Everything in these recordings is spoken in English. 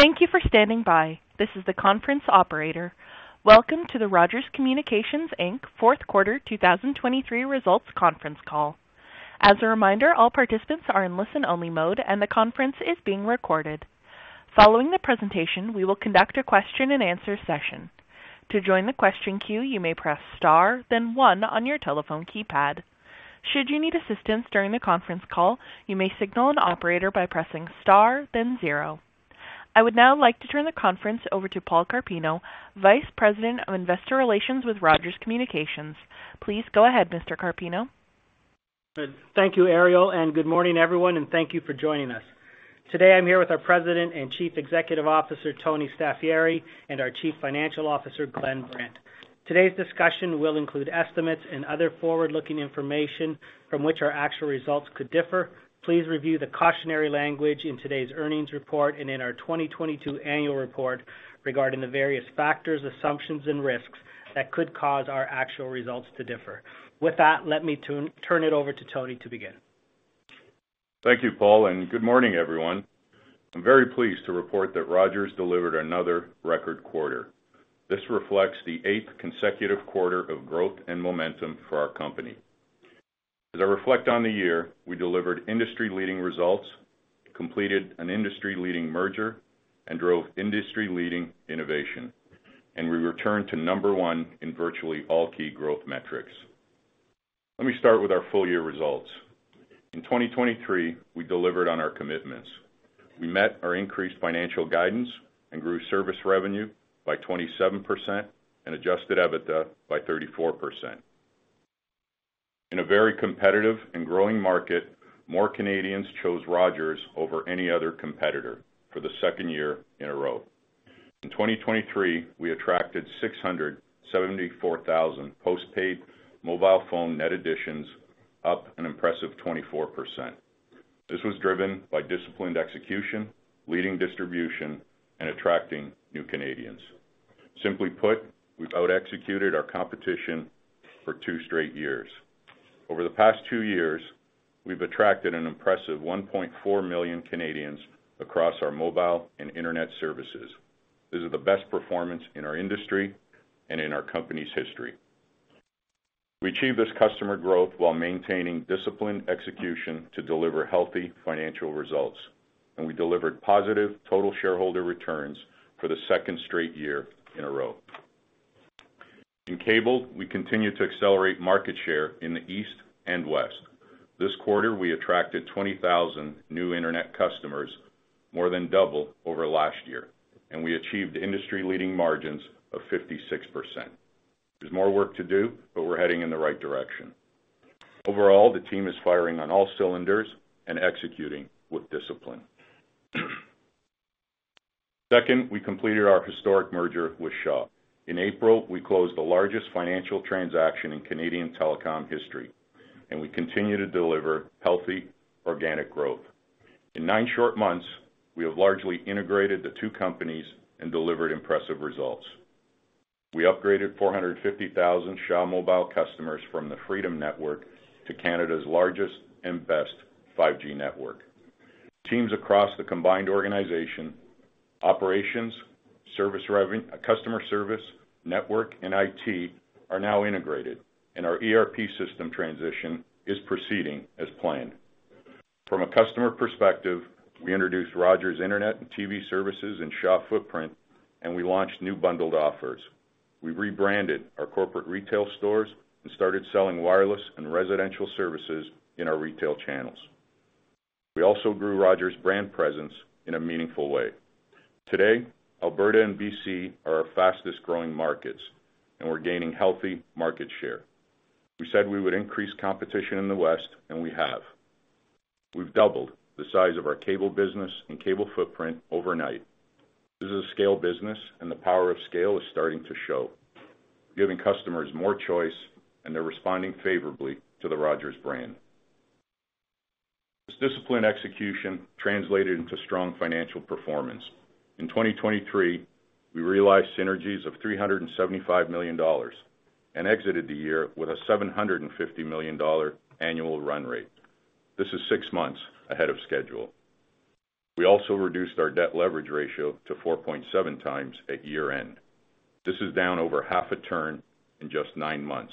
Thank you for standing by. This is the conference operator. Welcome to the Rogers Communications Inc. Fourth Quarter 2023 Results Conference Call. As a reminder, all participants are in listen-only mode, and the conference is being recorded. Following the presentation, we will conduct a question-and-answer session. To join the question queue, you may press star, then one on your telephone keypad. Should you need assistance during the conference call, you may signal an operator by pressing star, then zero. I would now like to turn the conference over to Paul Carpino, Vice President of Investor Relations with Rogers Communications. Please go ahead, Mr. Carpino. Good. Thank you, Ariel, and good morning, everyone, and thank you for joining us. Today, I'm here with our President and Chief Executive Officer, Tony Staffieri, and our Chief Financial Officer, Glenn Brandt. Today's discussion will include estimates and other forward-looking information from which our actual results could differ. Please review the cautionary language in today's earnings report and in our 2022 annual report regarding the various factors, assumptions, and risks that could cause our actual results to differ. With that, let me turn it over to Tony to begin. Thank you, Paul, and good morning, everyone. I'm very pleased to report that Rogers delivered another record quarter. This reflects the eighth consecutive quarter of growth and momentum for our company. As I reflect on the year, we delivered industry-leading results, completed an industry-leading merger, and drove industry-leading innovation, and we returned to number one in virtually all key growth metrics. Let me start with our full year results. In 2023, we delivered on our commitments. We met our increased financial guidance and grew service revenue by 27% and adjusted EBITDA by 34%. In a very competitive and growing market, more Canadians chose Rogers over any other competitor for the second year in a row. In 2023, we attracted 674,000 postpaid mobile phone net additions, up an impressive 24%. This was driven by disciplined execution, leading distribution, and attracting new Canadians. Simply put, we've out executed our competition for two straight years. Over the past two years, we've attracted an impressive 1.4 million Canadians across our mobile and internet services. This is the best performance in our industry and in our company's history. We achieved this customer growth while maintaining disciplined execution to deliver healthy financial results, and we delivered positive total shareholder returns for the second straight year in a row. In cable, we continued to accelerate market share in the East and West. This quarter, we attracted 20,000 new internet customers, more than double over last year, and we achieved industry-leading margins of 56%. There's more work to do, but we're heading in the right direction. Overall, the team is firing on all cylinders and executing with discipline. Second, we completed our historic merger with Shaw. In April, we closed the largest financial transaction in Canadian telecom history, and we continue to deliver healthy organic growth. In nine short months, we have largely integrated the two companies and delivered impressive results. We upgraded 450,000 Shaw Mobile customers from the Freedom network to Canada's largest and best 5G network. Teams across the combined organization, operations, customer service, network, and IT, are now integrated, and our ERP system transition is proceeding as planned. From a customer perspective, we introduced Rogers Internet and TV services in Shaw footprint, and we launched new bundled offers. We rebranded our corporate retail stores and started selling wireless and residential services in our retail channels. We also grew Rogers' brand presence in a meaningful way. Today, Alberta and BC are our fastest-growing markets, and we're gaining healthy market share. We said we would increase competition in the West, and we have. We've doubled the size of our cable business and cable footprint overnight. This is a scale business, and the power of scale is starting to show, giving customers more choice, and they're responding favorably to the Rogers brand. This disciplined execution translated into strong financial performance. In 2023, we realized synergies of 375 million dollars and exited the year with a 750 million dollar annual run rate. This is six months ahead of schedule. We also reduced our debt leverage ratio to 4.7 times at year-end. This is down over half a turn in just nine months,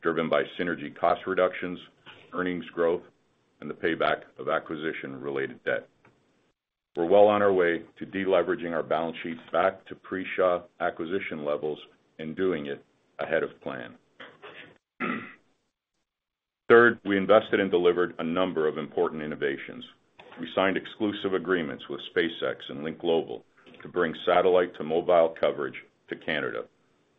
driven by synergy cost reductions, earnings growth, and the payback of acquisition-related debt. We're well on our way to deleveraging our balance sheets back to pre-Shaw acquisition levels and doing it ahead of plan. Third, we invested and delivered a number of important innovations. We signed exclusive agreements with SpaceX and Lynk Global to bring satellite-to-mobile coverage to Canada.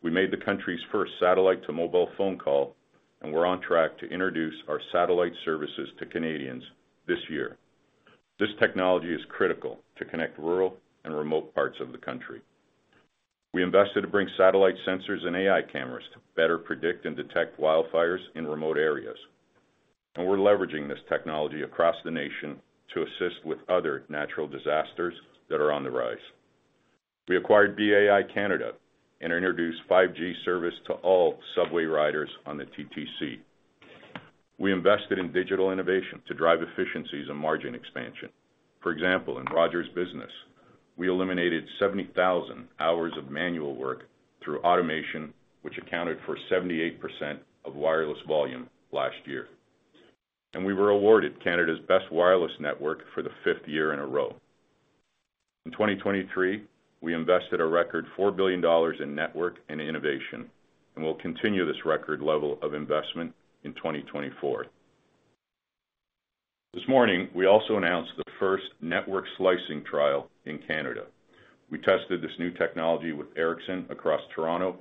We made the country's first satellite-to-mobile phone call, and we're on track to introduce our satellite services to Canadians this year. This technology is critical to connect rural and remote parts of the country. We invested to bring satellite sensors and AI cameras to better predict and detect wildfires in remote areas, and we're leveraging this technology across the nation to assist with other natural disasters that are on the rise. We acquired BAI Canada and introduced 5G service to all subway riders on the TTC. We invested in digital innovation to drive efficiencies and margin expansion. For example, in Rogers Business, we eliminated 70,000 hours of manual work through automation, which accounted for 78% of wireless volume last year. We were awarded Canada's Best Wireless Network for the 5th year in a row. In 2023, we invested a record 4 billion dollars in network and innovation, and we'll continue this record level of investment in 2024. This morning, we also announced the first network slicing trial in Canada. We tested this new technology with Ericsson across Toronto,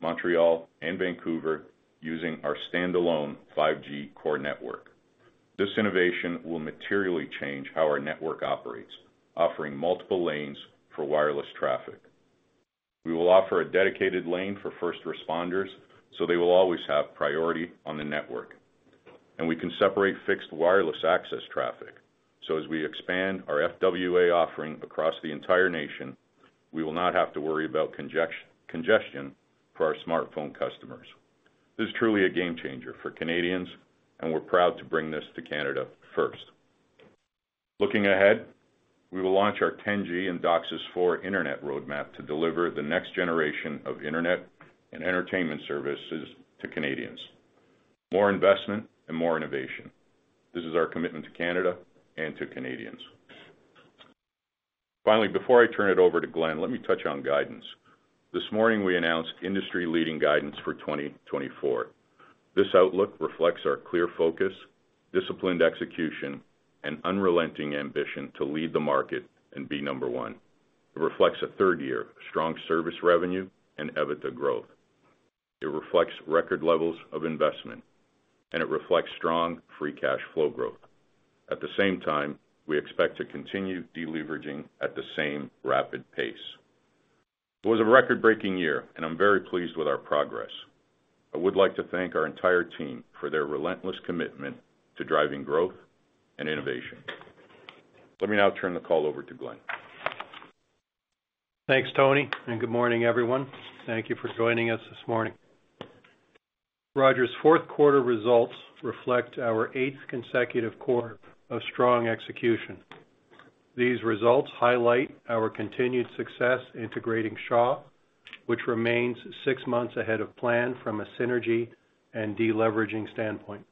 Montreal, and Vancouver using our standalone 5G core network. This innovation will materially change how our network operates, offering multiple lanes for wireless traffic. We will offer a dedicated lane for first responders, so they will always have priority on the network. We can separate fixed wireless access traffic, so as we expand our FWA offering across the entire nation, we will not have to worry about congestion for our smartphone customers. This is truly a game changer for Canadians, and we're proud to bring this to Canada first. Looking ahead, we will launch our 10G and DOCSIS 4 internet roadmap to deliver the next generation of internet and entertainment services to Canadians. More investment and more innovation. This is our commitment to Canada and to Canadians. Finally, before I turn it over to Glenn, let me touch on guidance. This morning, we announced industry-leading guidance for 2024. This outlook reflects our clear focus, disciplined execution, and unrelenting ambition to lead the market and be number one. It reflects a third year of strong service revenue and EBITDA growth. It reflects record levels of investment, and it reflects strong free cash flow growth. At the same time, we expect to continue deleveraging at the same rapid pace. It was a record-breaking year, and I'm very pleased with our progress. I would like to thank our entire team for their relentless commitment to driving growth and innovation. Let me now turn the call over to Glenn. Thanks, Tony, and good morning, everyone. Thank you for joining us this morning. Rogers' fourth quarter results reflect our eighth consecutive quarter of strong execution. These results highlight our continued success integrating Shaw, which remains 6 months ahead of plan from a synergy and deleveraging standpoint.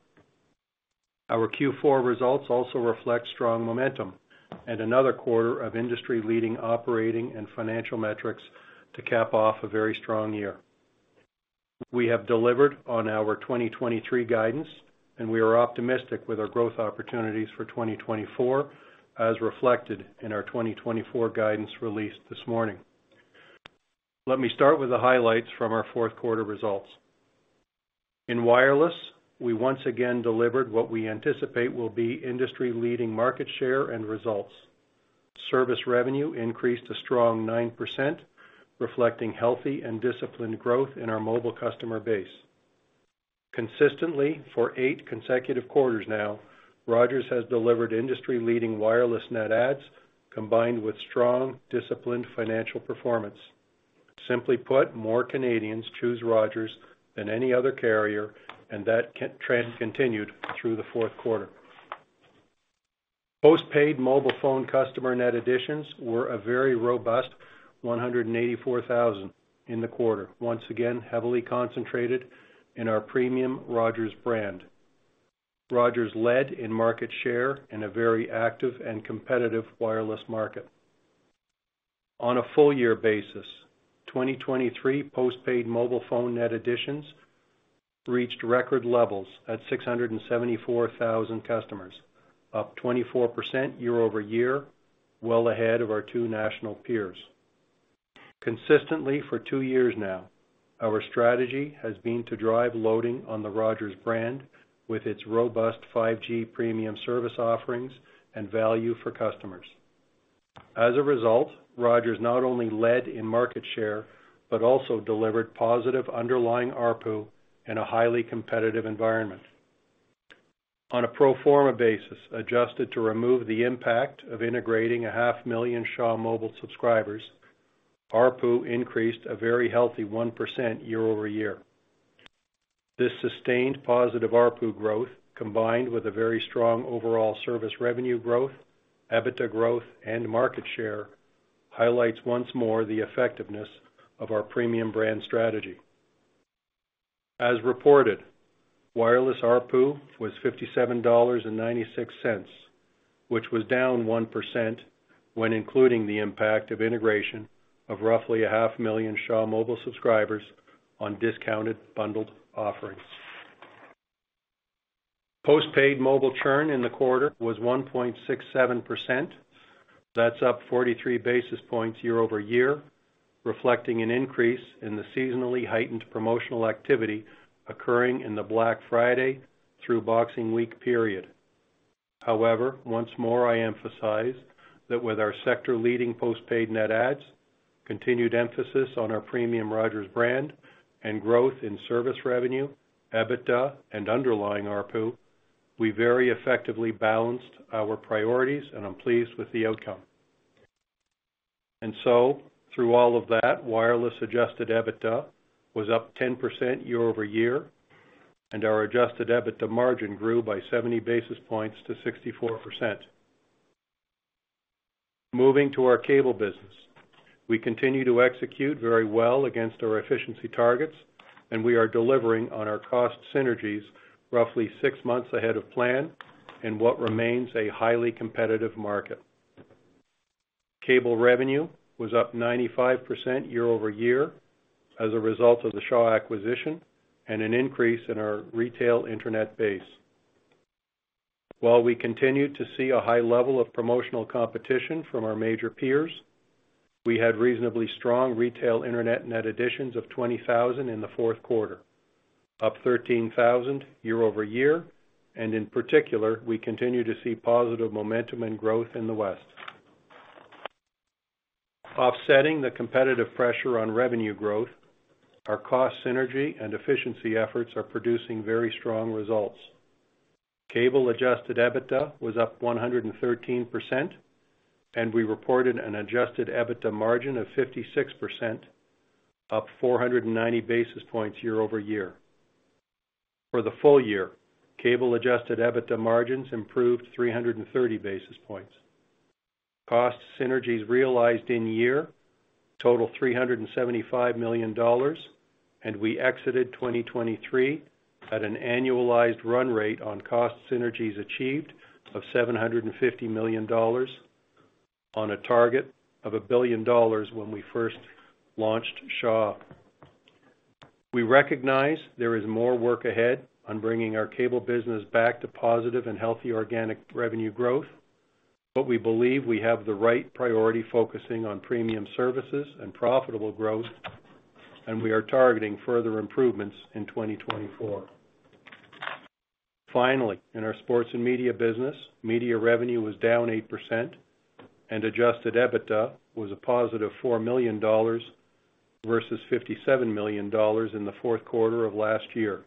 Our Q4 results also reflect strong momentum and another quarter of industry-leading operating and financial metrics to cap off a very strong year. We have delivered on our 2023 guidance, and we are optimistic with our growth opportunities for 2024, as reflected in our 2024 guidance released this morning. Let me start with the highlights from our fourth quarter results. In wireless, we once again delivered what we anticipate will be industry-leading market share and results. Service revenue increased a strong 9%, reflecting healthy and disciplined growth in our mobile customer base. Consistently, for eight consecutive quarters now, Rogers has delivered industry-leading wireless net adds, combined with strong, disciplined financial performance. Simply put, more Canadians choose Rogers than any other carrier, and that trend continued through the fourth quarter. Postpaid mobile phone customer net additions were a very robust 184,000 in the quarter, once again, heavily concentrated in our premium Rogers brand. Rogers led in market share in a very active and competitive wireless market. On a full-year basis, 2023 postpaid mobile phone net additions reached record levels at 674,000 customers, up 24% year-over-year, well ahead of our two national peers. Consistently, for two years now, our strategy has been to drive loading on the Rogers brand with its robust 5G premium service offerings and value for customers. As a result, Rogers not only led in market share, but also delivered positive underlying ARPU in a highly competitive environment. On a pro forma basis, adjusted to remove the impact of integrating 500,000 Shaw Mobile subscribers, ARPU increased a very healthy 1% year-over-year. This sustained positive ARPU growth, combined with a very strong overall service revenue growth, EBITDA growth, and market share, highlights once more the effectiveness of our premium brand strategy. As reported, wireless ARPU was 57.96 dollars, which was down 1% when including the impact of integration of roughly 500,000 Shaw Mobile subscribers on discounted bundled offerings. Postpaid mobile churn in the quarter was 1.67%. That's up 43 basis points year-over-year, reflecting an increase in the seasonally heightened promotional activity occurring in the Black Friday through Boxing Week period. However, once more, I emphasize that with our sector-leading postpaid net adds, continued emphasis on our premium Rogers brand and growth in service revenue, EBITDA, and underlying ARPU, we very effectively balanced our priorities, and I'm pleased with the outcome... And so through all of that, wireless adjusted EBITDA was up 10% year-over-year, and our adjusted EBITDA margin grew by 70 basis points to 64%. Moving to our cable business, we continue to execute very well against our efficiency targets, and we are delivering on our cost synergies roughly six months ahead of plan in what remains a highly competitive market. Cable revenue was up 95% year-over-year as a result of the Shaw acquisition and an increase in our retail internet base. While we continued to see a high level of promotional competition from our major peers, we had reasonably strong retail Internet net additions of 20,000 in the fourth quarter, up 13,000 year-over-year, and in particular, we continue to see positive momentum and growth in the West. Offsetting the competitive pressure on revenue growth, our cost synergy and efficiency efforts are producing very strong results. Cable adjusted EBITDA was up 113%, and we reported an adjusted EBITDA margin of 56%, up 490 basis points year-over-year. For the full-year, cable adjusted EBITDA margins improved 330 basis points. Cost synergies realized in year total 375 million dollars, and we exited 2023 at an annualized run rate on cost synergies achieved of 750 million dollars on a target of 1 billion dollars when we first launched Shaw. We recognize there is more work ahead on bringing our cable business back to positive and healthy organic revenue growth, but we believe we have the right priority, focusing on premium services and profitable growth, and we are targeting further improvements in 2024. Finally, in our sports and media business, media revenue was down 8% and adjusted EBITDA was a positive 4 million dollars versus 57 million dollars in the fourth quarter of last year.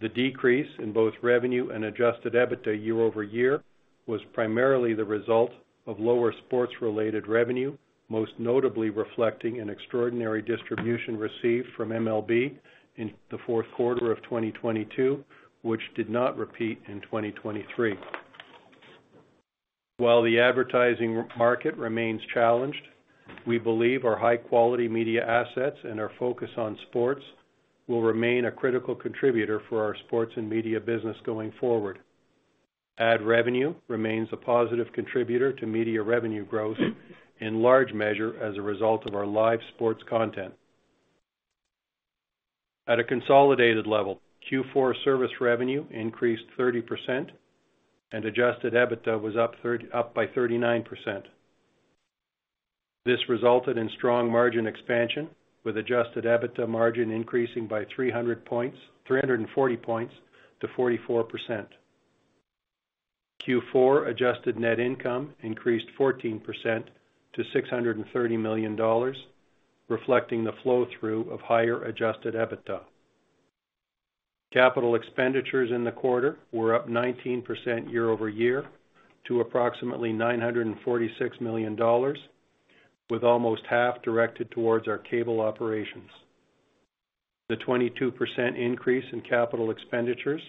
The decrease in both revenue and adjusted EBITDA year-over-year was primarily the result of lower sports-related revenue, most notably reflecting an extraordinary distribution received from MLB in the fourth quarter of 2022, which did not repeat in 2023. While the advertising market remains challenged, we believe our high-quality media assets and our focus on sports will remain a critical contributor for our sports and media business going forward. Ad revenue remains a positive contributor to media revenue growth, in large measure as a result of our live sports content. At a consolidated level, Q4 service revenue increased 30% and adjusted EBITDA was up by 39%. This resulted in strong margin expansion, with adjusted EBITDA margin increasing by 340 points to 44%. Q4 adjusted net income increased 14% to 630 million dollars, reflecting the flow-through of higher adjusted EBITDA. Capital expenditures in the quarter were up 19% year-over-year to approximately 946 million dollars, with almost half directed towards our cable operations. The 22% increase in capital expenditures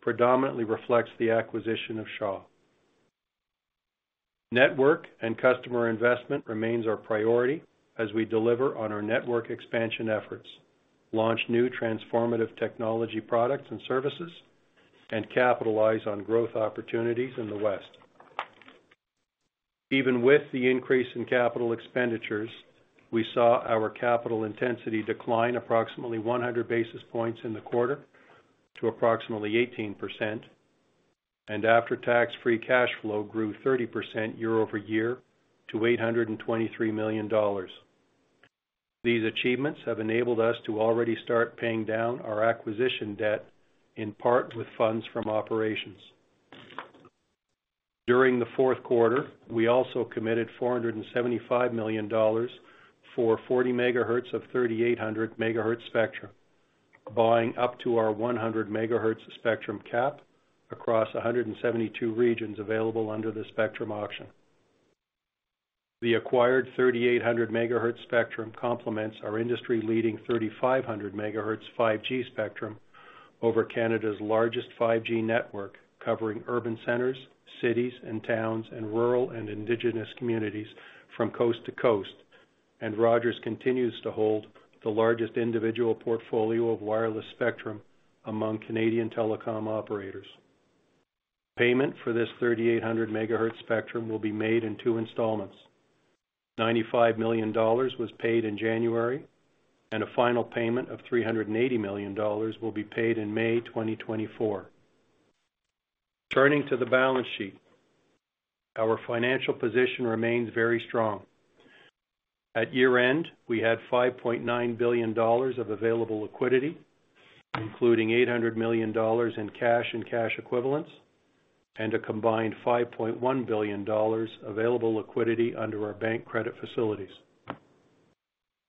predominantly reflects the acquisition of Shaw. Network and customer investment remains our priority as we deliver on our network expansion efforts, launch new transformative technology products and services, and capitalize on growth opportunities in the West. Even with the increase in capital expenditures, we saw our capital intensity decline approximately 100 basis points in the quarter to approximately 18%, and after-tax free cash flow grew 30% year-over-year to 823 million dollars. These achievements have enabled us to already start paying down our acquisition debt, in part with funds from operations. During the fourth quarter, we also committed 475 million dollars for 40 MHz of 3,800 MHz spectrum, buying up to our 100 MHz spectrum cap across 172 regions available under the spectrum auction. The acquired 3,800 MHz spectrum complements our industry-leading 3,500 MHz 5G spectrum over Canada's largest 5G network, covering urban centers, cities and towns, and rural and indigenous communities from coast to coast, and Rogers continues to hold the largest individual portfolio of wireless spectrum among Canadian telecom operators. Payment for this 3,800 MHz spectrum will be made in two installments. 95 million dollars was paid in January, and a final payment of 380 million dollars will be paid in May 2024. Turning to the balance sheet, our financial position remains very strong. At year-end, we had 5.9 billion dollars of available liquidity, including 800 million dollars in cash and cash equivalents, and a combined 5.1 billion dollars available liquidity under our bank credit facilities.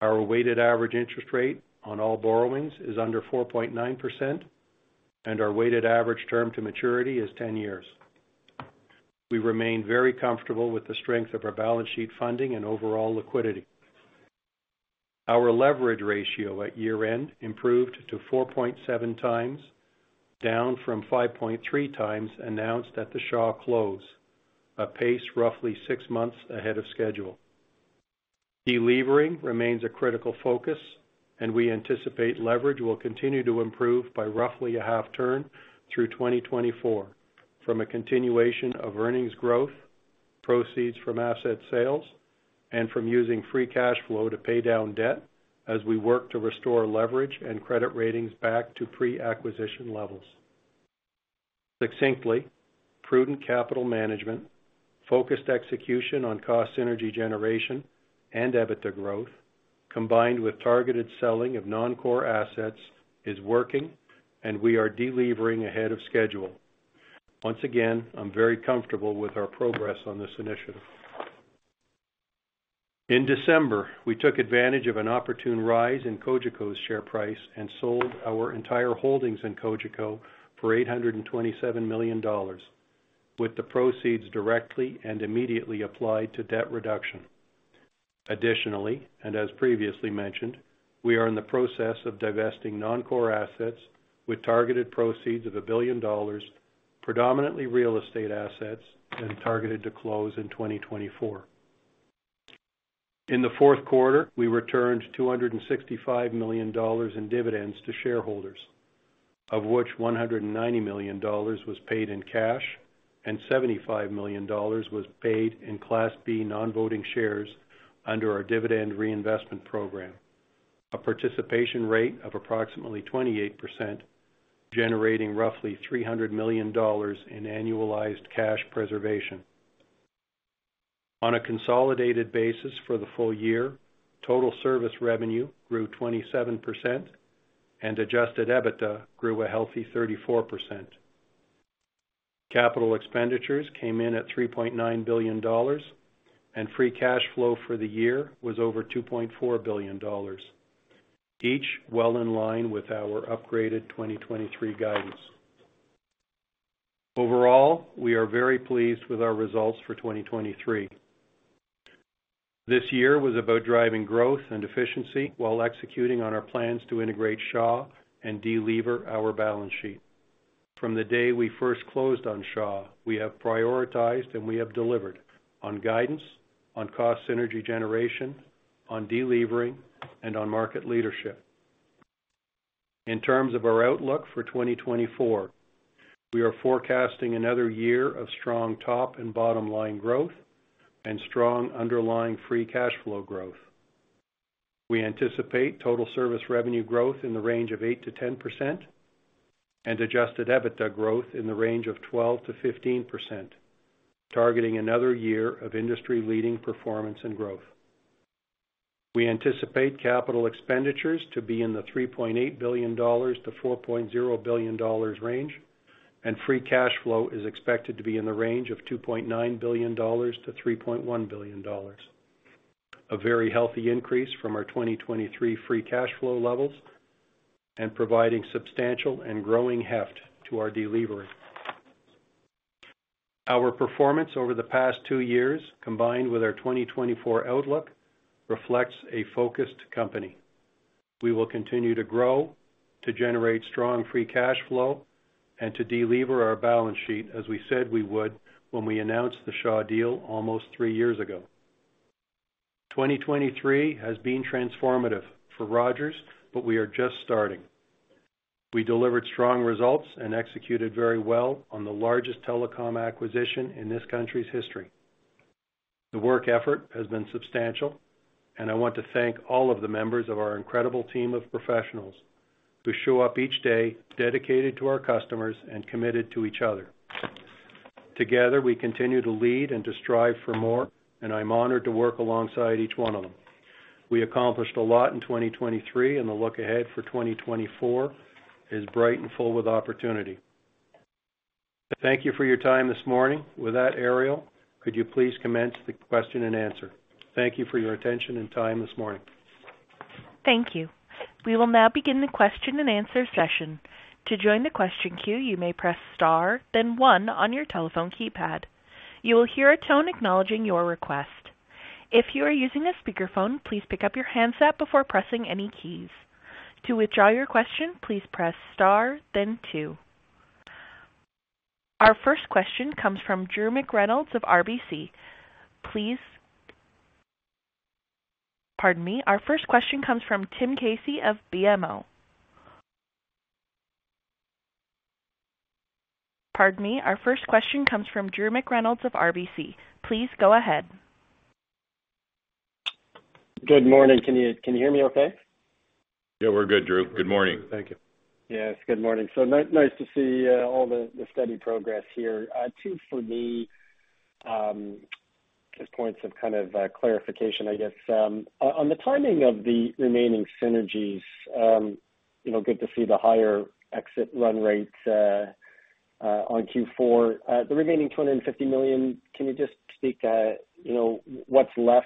Our weighted average interest rate on all borrowings is under 4.9%, and our weighted average term to maturity is 10 years. We remain very comfortable with the strength of our balance sheet funding and overall liquidity. Our leverage ratio at year-end improved to 4.7 times, down from 5.3 times announced at the Shaw close, a pace roughly 6 months ahead of schedule. Delevering remains a critical focus, and we anticipate leverage will continue to improve by roughly 0.5 turn through 2024, from a continuation of earnings growth, proceeds from asset sales, and from using free cash flow to pay down debt as we work to restore leverage and credit ratings back to pre-acquisition levels. Succinctly, prudent capital management, focused execution on cost synergy generation and EBITDA growth, combined with targeted selling of non-core assets, is working, and we are delevering ahead of schedule. Once again, I'm very comfortable with our progress on this initiative. In December, we took advantage of an opportune rise in Cogeco's share price and sold our entire holdings in Cogeco for 827 million dollars, with the proceeds directly and immediately applied to debt reduction. Additionally, and as previously mentioned, we are in the process of divesting non-core assets with targeted proceeds of 1 billion dollars, predominantly real estate assets, and targeted to close in 2024. In the fourth quarter, we returned 265 million dollars in dividends to shareholders, of which 190 million dollars was paid in cash and 75 million dollars was paid in Class B non-voting shares under our dividend reinvestment program, a participation rate of approximately 28%, generating roughly 300 million dollars in annualized cash preservation. On a consolidated basis for the full year, total service revenue grew 27% and adjusted EBITDA grew a healthy 34%. Capital expenditures came in at 3.9 billion dollars, and free cash flow for the year was over 2.4 billion dollars, each well in line with our upgraded 2023 guidance. Overall, we are very pleased with our results for 2023. This year was about driving growth and efficiency while executing on our plans to integrate Shaw and delever our balance sheet. From the day we first closed on Shaw, we have prioritized and we have delivered on guidance, on cost synergy generation, on delevering, and on market leadership. In terms of our outlook for 2024, we are forecasting another year of strong top and bottom line growth and strong underlying free cash flow growth. We anticipate total service revenue growth in the range of 8%-10% and adjusted EBITDA growth in the range of 12%-15%, targeting another year of industry-leading performance and growth. We anticipate capital expenditures to be in the 3.8 billion-4.0 billion dollars range, and free cash flow is expected to be in the range of 2.9 billion-3.1 billion dollars. A very healthy increase from our 2023 free cash flow levels and providing substantial and growing heft to our delevering. Our performance over the past two years, combined with our 2024 outlook, reflects a focused company. We will continue to grow, to generate strong free cash flow, and to delever our balance sheet, as we said we would when we announced the Shaw deal almost three years ago. 2023 has been transformative for Rogers, but we are just starting. We delivered strong results and executed very well on the largest telecom acquisition in this country's history. The work effort has been substantial, and I want to thank all of the members of our incredible team of professionals who show up each day dedicated to our customers and committed to each other. Together, we continue to lead and to strive for more, and I'm honored to work alongside each one of them. We accomplished a lot in 2023, and the look ahead for 2024 is bright and full with opportunity. Thank you for your time this morning. With that, Ariel, could you please commence the question and answer? Thank you for your attention and time this morning. Thank you. We will now begin the question-and-answer session. To join the question queue, you may press star, then one on your telephone keypad. You will hear a tone acknowledging your request. If you are using a speakerphone, please pick up your handset before pressing any keys. To withdraw your question, please press star, then two. Our first question comes from Drew McReynolds of RBC. Please... Pardon me. Our first question comes from Tim Casey of BMO. Pardon me. Our first question comes from Drew McReynolds of RBC. Please go ahead. Good morning. Can you, can you hear me okay? Yeah, we're good, Drew. Good morning. Thank you. Yes, good morning. So nice to see all the steady progress here. Two for me, just points of kind of clarification, I guess. On the timing of the remaining synergies, you know, good to see the higher exit run rates on Q4, the remaining 250 million, can you just speak, you know, what's left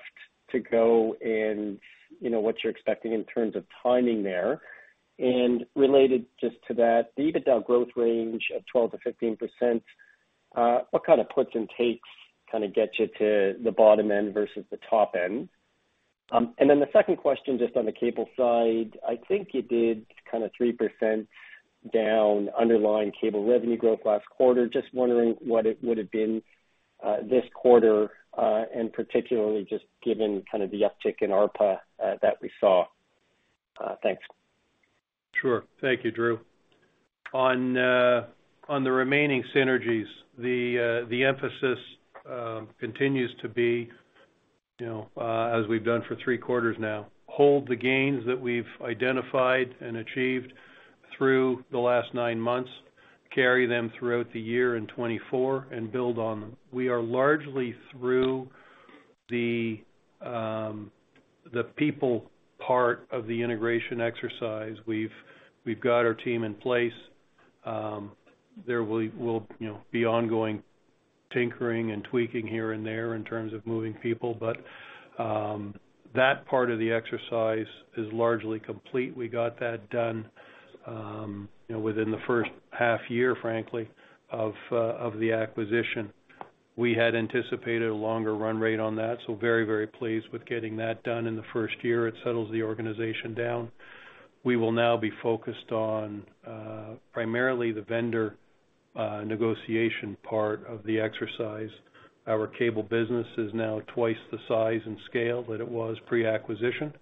to go and, you know, what you're expecting in terms of timing there? And related just to that, the EBITDA growth range of 12%-15%, what kind of puts and takes kind of get you to the bottom end versus the top end? And then the second question, just on the cable side, I think you did kind of 3% down underlying cable revenue growth last quarter. Just wondering what it would have been, this quarter, and particularly just given kind of the uptick in ARPA, that we saw. Thanks. Sure. Thank you, Drew. On the remaining synergies, the emphasis continues to be, you know, as we've done for three quarters now, hold the gains that we've identified and achieved through the last nine months, carry them throughout the year in 2024, and build on them. We are largely through the people part of the integration exercise. We've got our team in place. There will, you know, be ongoing tinkering and tweaking here and there in terms of moving people, but that part of the exercise is largely complete. We got that done, you know, within the first half year, frankly, of the acquisition. We had anticipated a longer run rate on that, so very, very pleased with getting that done in the first year. It settles the organization down. We will now be focused on primarily the vendor negotiation part of the exercise. Our cable business is now twice the size and scale that it was pre-acquisition,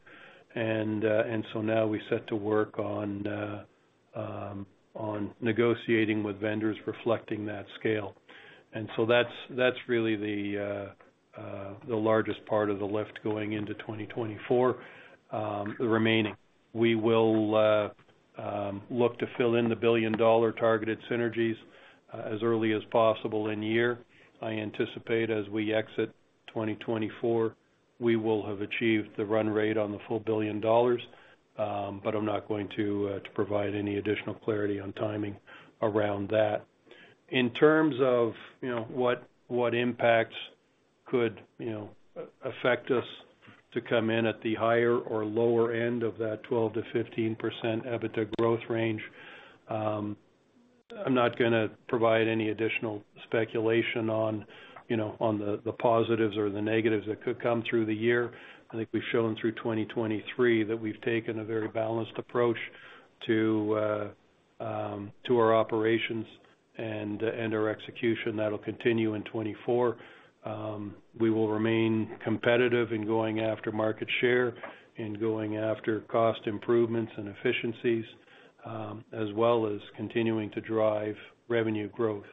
and so now we're set to work on negotiating with vendors reflecting that scale. And so that's really the largest part of the lift going into 2024, the remaining. We will look to fill in the billion-dollar targeted synergies as early as possible in year. I anticipate as we exit 2024, we will have achieved the run rate on the full 1 billion dollars, but I'm not going to provide any additional clarity on timing around that. In terms of, you know, what, what impacts could, you know, affect us to come in at the higher or lower end of that 12%-15% EBITDA growth range, I'm not gonna provide any additional speculation on, you know, on the, the positives or the negatives that could come through the year. I think we've shown through 2023 that we've taken a very balanced approach to, to our operations and, and our execution. That'll continue in 2024. We will remain competitive in going after market share, in going after cost improvements and efficiencies, as well as continuing to drive revenue growth.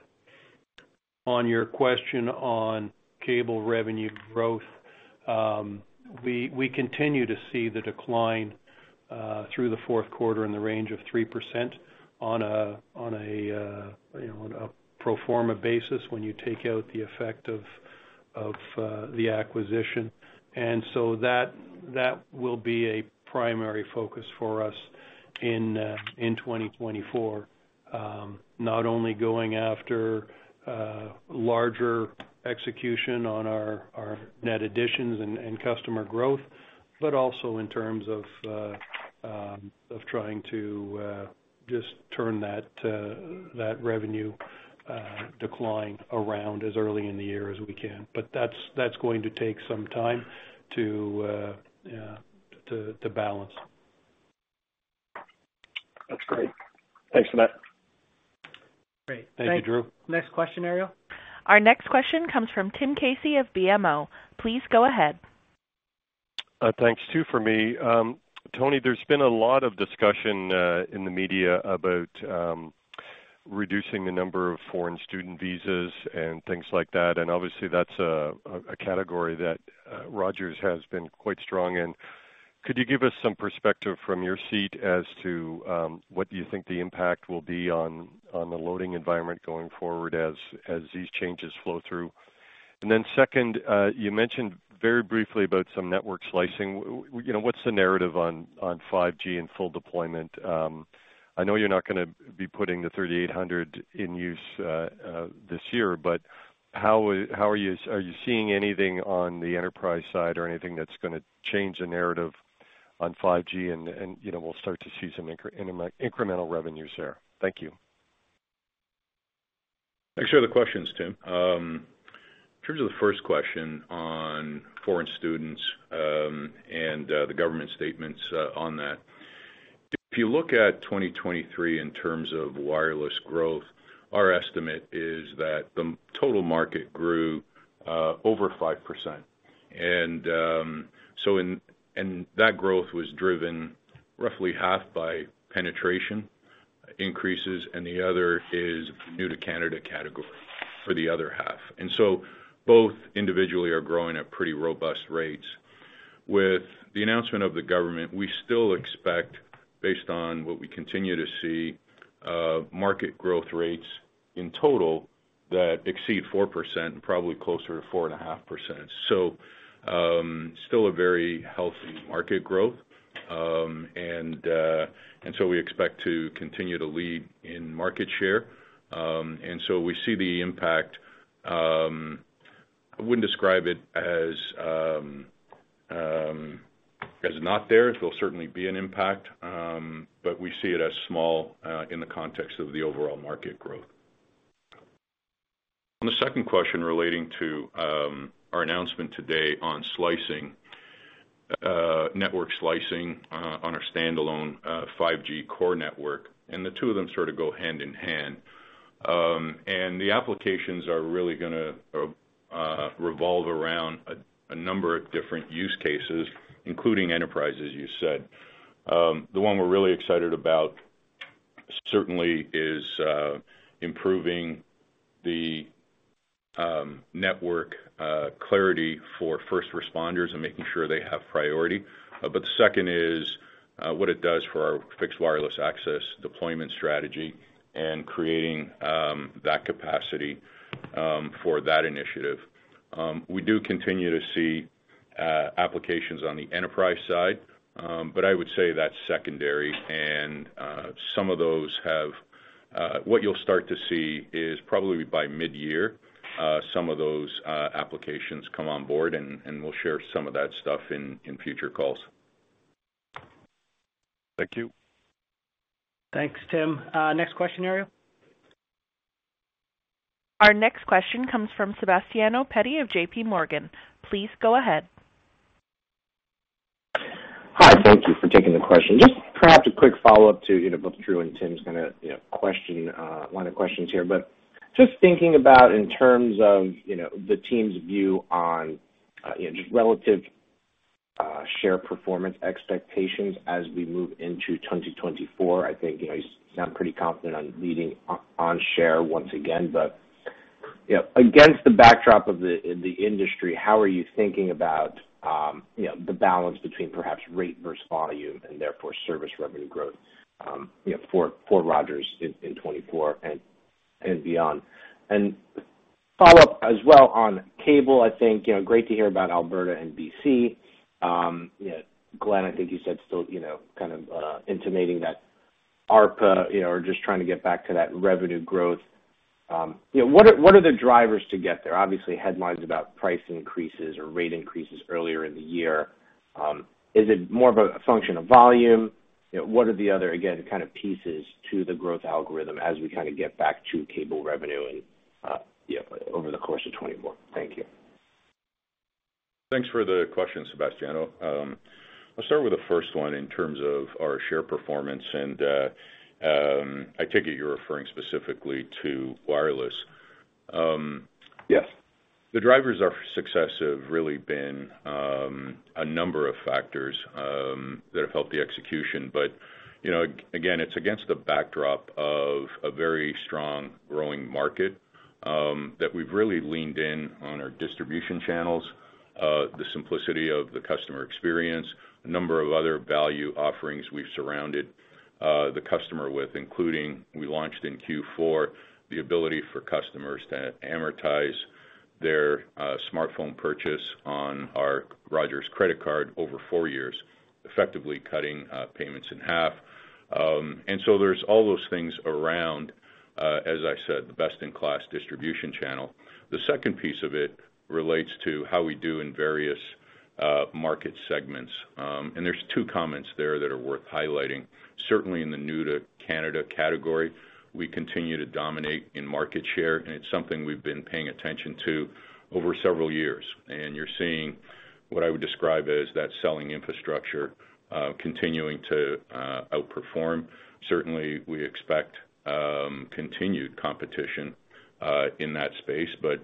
On your question on cable revenue growth, we continue to see the decline through the fourth quarter in the range of 3% on a, you know, on a pro forma basis when you take out the effect of the acquisition. And so that will be a primary focus for us in 2024. Not only going after larger execution on our net additions and customer growth, but also in terms of of trying to just turn that revenue decline around as early in the year as we can. But that's going to take some time to balance. That's great. Thanks for that. Great. Thank you, Drew. Next question, Ariel? Our next question comes from Tim Casey of BMO. Please go ahead. Thanks, two for me. Tony, there's been a lot of discussion in the media about reducing the number of foreign student visas and things like that, and obviously, that's a category that Rogers has been quite strong in. Could you give us some perspective from your seat as to what you think the impact will be on the loading environment going forward as these changes flow through? And then second, you mentioned very briefly about some network slicing. You know, what's the narrative on 5G and full deployment? I know you're not gonna be putting the 3800 in use this year, but how would... How are you seeing anything on the enterprise side or anything that's gonna change the narrative on 5G and, you know, we'll start to see some incremental revenues there? Thank you. Thanks for the questions, Tim. In terms of the first question on foreign students, and the government statements on that. If you look at 2023 in terms of wireless growth, our estimate is that the total market grew over 5%. And that growth was driven roughly half by penetration increases, and the other is new to Canada category for the other half. And so both individually are growing at pretty robust rates. With the announcement of the government, we still expect, based on what we continue to see, market growth rates in total-... that exceed 4%, probably closer to 4.5%. So, still a very healthy market growth. And so we expect to continue to lead in market share. And so we see the impact. I wouldn't describe it as not there. There'll certainly be an impact, but we see it as small, in the context of the overall market growth. On the second question, relating to our announcement today on slicing, Network Slicing, on our Standalone 5G Core network, and the two of them sort of go hand in hand. And the applications are really gonna revolve around a number of different use cases, including enterprise, as you said. The one we're really excited about certainly is improving the network clarity for first responders and making sure they have priority. But the second is what it does for our fixed wireless access deployment strategy and creating that capacity for that initiative. We do continue to see applications on the enterprise side, but I would say that's secondary, and some of those have... What you'll start to see is probably by mid-year some of those applications come on board, and we'll share some of that stuff in future calls. Thank you. Thanks, Tim. Next question, Ariel. Our next question comes from Sebastiano Petti of JP Morgan. Please go ahead. Hi, thank you for taking the question. Sure. Just perhaps a quick follow-up to, you know, both Drew and Tim's kinda, you know, question line of questions here. But just thinking about in terms of, you know, the team's view on, you know, just relative share performance expectations as we move into 2024. I think, you know, you sound pretty confident on leading on, on share once again, but, you know, against the backdrop of the, the industry, how are you thinking about, you know, the balance between perhaps rate versus volume, and therefore service revenue growth, you know, for, for Rogers in, in 2024 and, and beyond? And follow-up as well on cable. I think, you know, great to hear about Alberta and BC. You know, Glenn, I think you said still, you know, kind of, intimating that ARPA, you know, or just trying to get back to that revenue growth. You know, what are, what are the drivers to get there? Obviously, headlines about price increases or rate increases earlier in the year. Is it more of a function of volume? You know, what are the other, again, kind of pieces to the growth algorithm as we kind of get back to cable revenue and, yeah, over the course of 2024? Thank you. Thanks for the question, Sebastiano. I'll start with the first one in terms of our share performance, and, I take it you're referring specifically to wireless. Yes. The drivers are success have really been, a number of factors, that have helped the execution. But, you know, again, it's against the backdrop of a very strong growing market, that we've really leaned in on our distribution channels, the simplicity of the customer experience, a number of other value offerings we've surrounded, the customer with, including we launched in Q4, the ability for customers to amortize their, smartphone purchase on our Rogers credit card over four years, effectively cutting, payments in half. And so there's all those things around, as I said, the best-in-class distribution channel. The second piece of it relates to how we do in various, market segments. And there's two comments there that are worth highlighting. Certainly, in the new to Canada category, we continue to dominate in market share, and it's something we've been paying attention to over several years. And you're seeing what I would describe as that selling infrastructure continuing to outperform. Certainly, we expect continued competition in that space, but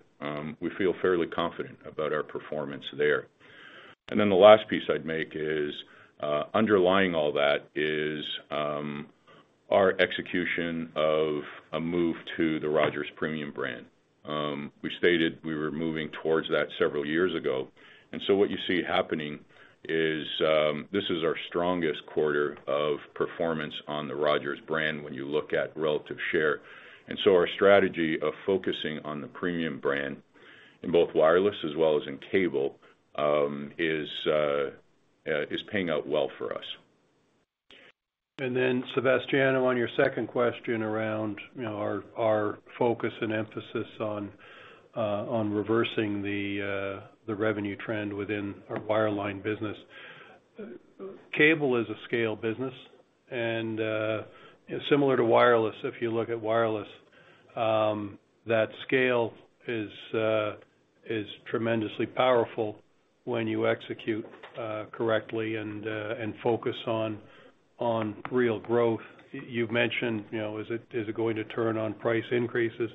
we feel fairly confident about our performance there. And then the last piece I'd make is underlying all that is our execution of a move to the Rogers premium brand. We stated we were moving towards that several years ago, and so what you see happening is this is our strongest quarter of performance on the Rogers brand when you look at relative share. And so our strategy of focusing on the premium brand in both wireless as well as in cable is paying out well for us. And then, Sebastiano, on your second question around, you know, our focus and emphasis on reversing the revenue trend within our wireline business. Cable is a scale business, and similar to wireless, if you look at wireless, that scale is tremendously powerful when you execute correctly and focus on real growth. You've mentioned, you know, is it going to turn on price increases?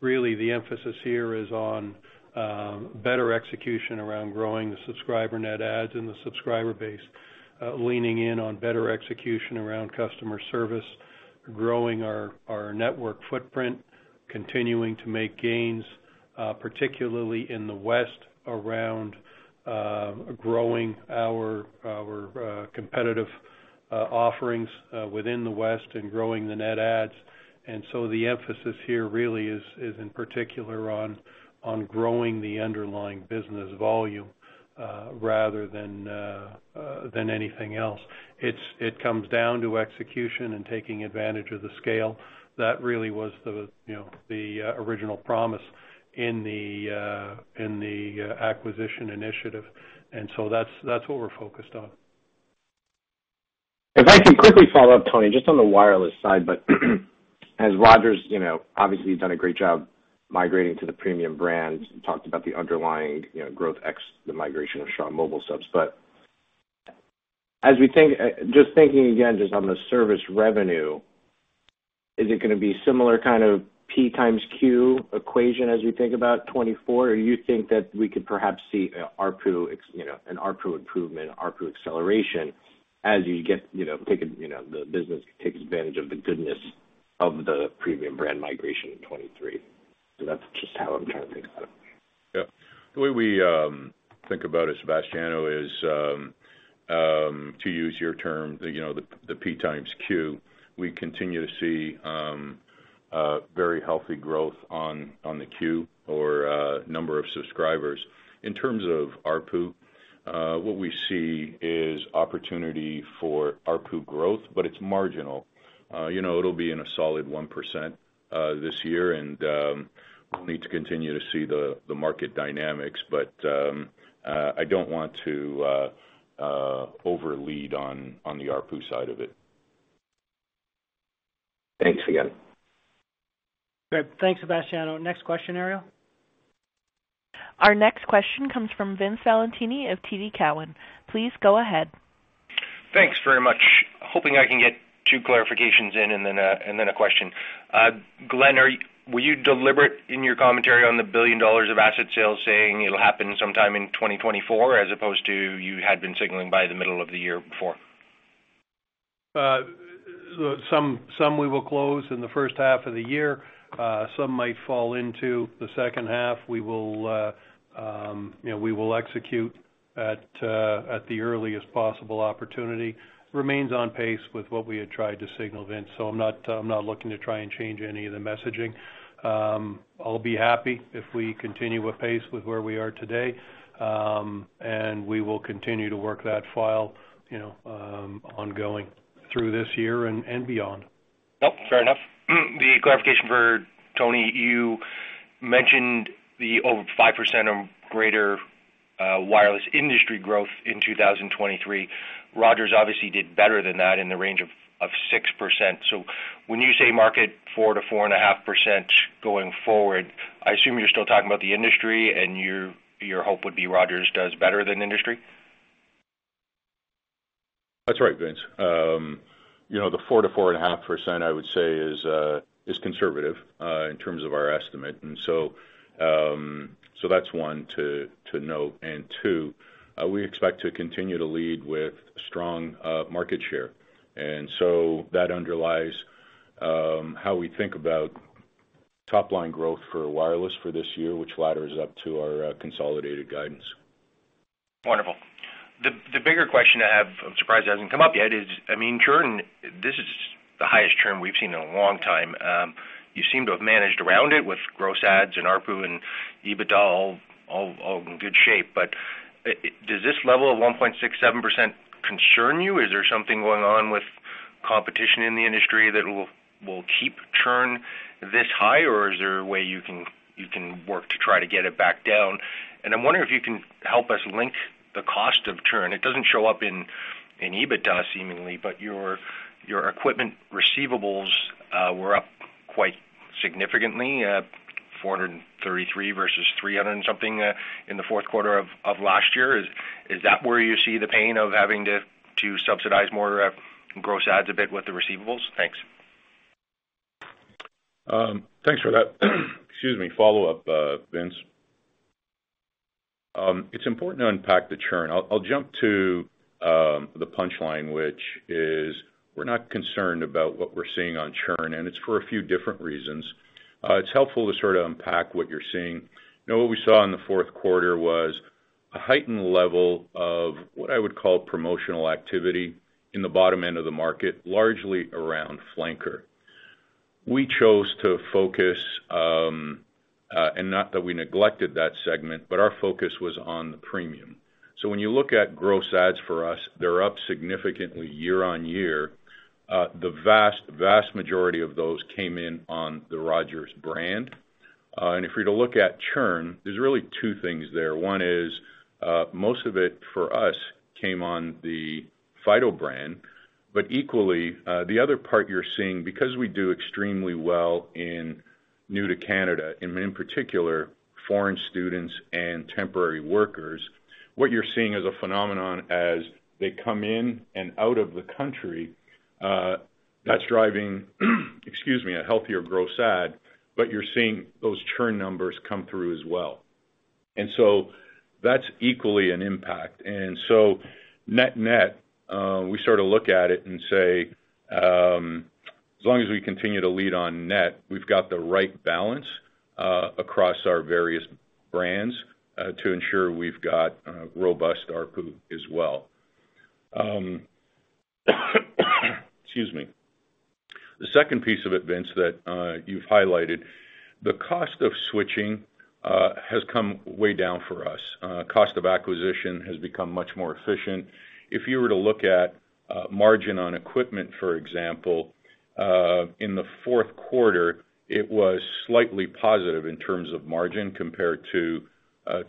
Really, the emphasis here is on better execution around growing the subscriber net adds and the subscriber base, leaning in on better execution around customer service, growing our network footprint, continuing to make gains.... particularly in the West around growing our competitive offerings within the West and growing the net adds. And so the emphasis here really is in particular on growing the underlying business volume, rather than anything else. It comes down to execution and taking advantage of the scale. That really was the, you know, the original promise in the acquisition initiative, and so that's what we're focused on. If I can quickly follow up, Tony, just on the wireless side. But as Rogers, you know, obviously, you've done a great job migrating to the premium brands and talked about the underlying, you know, growth ex the migration of Shaw Mobile Subs. But as we think—just thinking again, just on the service revenue, is it gonna be similar kind of P times Q equation as you think about 2024? Or you think that we could perhaps see, ARPU, ex—you know, an ARPU improvement, ARPU acceleration as you get, you know, taking, you know, the business takes advantage of the goodness of the premium brand migration in 2023. So that's just how I'm trying to think about it. Yep. The way we think about it, Sebastiano, is to use your term, you know, the P times Q, we continue to see very healthy growth on the Q or number of subscribers. In terms of ARPU, what we see is opportunity for ARPU growth, but it's marginal. You know, it'll be in a solid 1% this year, and we'll need to continue to see the market dynamics. But I don't want to overlead on the ARPU side of it. Thanks again. Great. Thanks, Sebastiano. Next question, Ariel. Our next question comes from Vince Valentini of TD Cowen. Please go ahead. Thanks very much. Hoping I can get two clarifications in and then a question. Glenn, were you deliberate in your commentary on the 1 billion dollars of asset sales, saying it'll happen sometime in 2024, as opposed to you had been signaling by the middle of the year before? Then some we will close in the first half of the year, some might fall into the second half. We will, you know, we will execute at the earliest possible opportunity. Remains on pace with what we had tried to signal, Vince, so I'm not, I'm not looking to try and change any of the messaging. I'll be happy if we continue at pace with where we are today. And we will continue to work that file, you know, ongoing through this year and beyond. Nope, fair enough. The clarification for Tony, you mentioned the over 5% or greater, wireless industry growth in 2023. Rogers obviously did better than that in the range of 6%. So when you say market 4%-4.5% going forward, I assume you're still talking about the industry and your hope would be Rogers does better than industry? That's right, Vince. You know, the 4%-4.5%, I would say, is, is conservative, in terms of our estimate, and so, so that's one to, to note. And two, we expect to continue to lead with strong, market share. And so that underlies, how we think about top line growth for wireless for this year, which ladders up to our, consolidated guidance. Wonderful. The bigger question I have, I'm surprised it hasn't come up yet, is, I mean, churn, this is the highest churn we've seen in a long time. You seem to have managed around it with gross adds and ARPU and EBITDA all in good shape. But does this level of 1.67% concern you? Is there something going on with competition in the industry that will keep churn this high, or is there a way you can work to try to get it back down? And I'm wondering if you can help us link the cost of churn. It doesn't show up in EBITDA, seemingly, but your equipment receivables were up quite significantly, 433 versus 300-something, in the fourth quarter of last year. Is that where you see the pain of having to subsidize more gross adds a bit with the receivables? Thanks. Thanks for that, excuse me, follow-up, Vince. It's important to unpack the churn. I'll jump to the punchline, which is: we're not concerned about what we're seeing on churn, and it's for a few different reasons. It's helpful to sort of unpack what you're seeing. You know, what we saw in the fourth quarter was a heightened level of what I would call promotional activity in the bottom end of the market, largely around flanker. We chose to focus, and not that we neglected that segment, but our focus was on the premium. So when you look at gross adds for us, they're up significantly year-on-year. The vast, vast majority of those came in on the Rogers brand. And if we're to look at churn, there's really two things there. One is, most of it, for us, came on the Fido brand. But equally, the other part you're seeing, because we do extremely well in new to Canada, and in particular, foreign students and temporary workers, what you're seeing is a phenomenon as they come in and out of the country, that's driving, excuse me, a healthier gross add, but you're seeing those churn numbers come through as well.... And so that's equally an impact. And so net-net, we sort of look at it and say, as long as we continue to lead on net, we've got the right balance, across our various brands, to ensure we've got, robust ARPU as well. Excuse me. The second piece of it, Vince, that, you've highlighted, the cost of switching, has come way down for us. Cost of acquisition has become much more efficient. If you were to look at, margin on equipment, for example, in the fourth quarter, it was slightly positive in terms of margin compared to,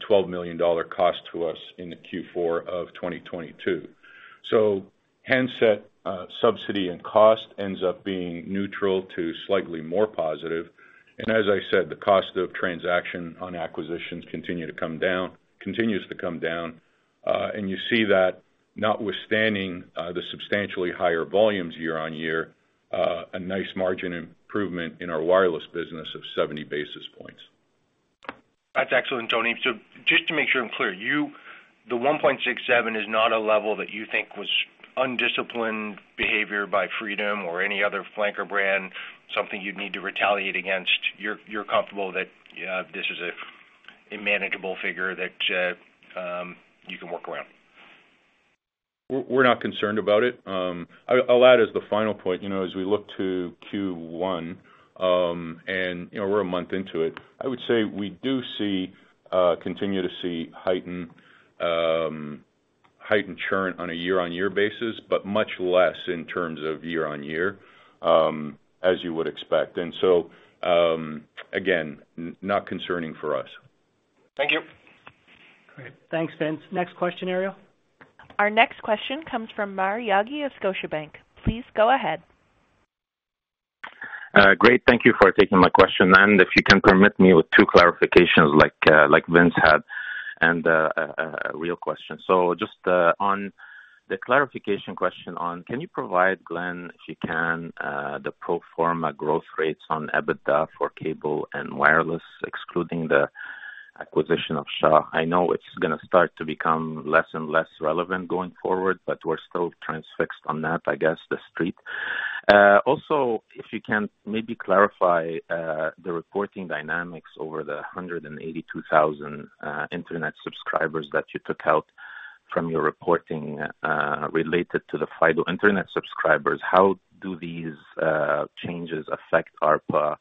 twelve million dollar cost to us in the Q4 of 2022. So handset subsidy and cost ends up being neutral to slightly more positive. And as I said, the cost of transaction on acquisitions continue to come down- continues to come down. And you see that notwithstanding, the substantially higher volumes year-on-year, a nice margin improvement in our wireless business of 70 basis points. That's excellent, Tony. So just to make sure I'm clear, you, the 1.67 is not a level that you think was undisciplined behavior by Freedom or any other flanker brand, something you'd need to retaliate against. You're comfortable that this is a manageable figure that you can work around? We're not concerned about it. I'll add as the final point, you know, as we look to Q1, and, you know, we're a month into it, I would say we do see continue to see heightened, heightened churn on a year-over-year basis, but much less in terms of year-over-year, as you would expect. So, again, not concerning for us. Thank you. Great. Thanks, Vince. Next question, Ariel. Our next question comes from Maher Yaghi of Scotiabank. Please go ahead. Great. Thank you for taking my question, and if you can permit me with two clarifications like, like Vince had, and, a real question. So just, on the clarification question on, can you provide, Glenn, if you can, the pro forma growth rates on EBITDA for cable and wireless, excluding the acquisition of Shaw? I know it's gonna start to become less and less relevant going forward, but we're still transfixed on that, I guess, the Street. Also, if you can maybe clarify, the reporting dynamics over the 182,000 internet subscribers that you took out from your reporting, related to the Fido Internet subscribers. How do these changes affect ARPA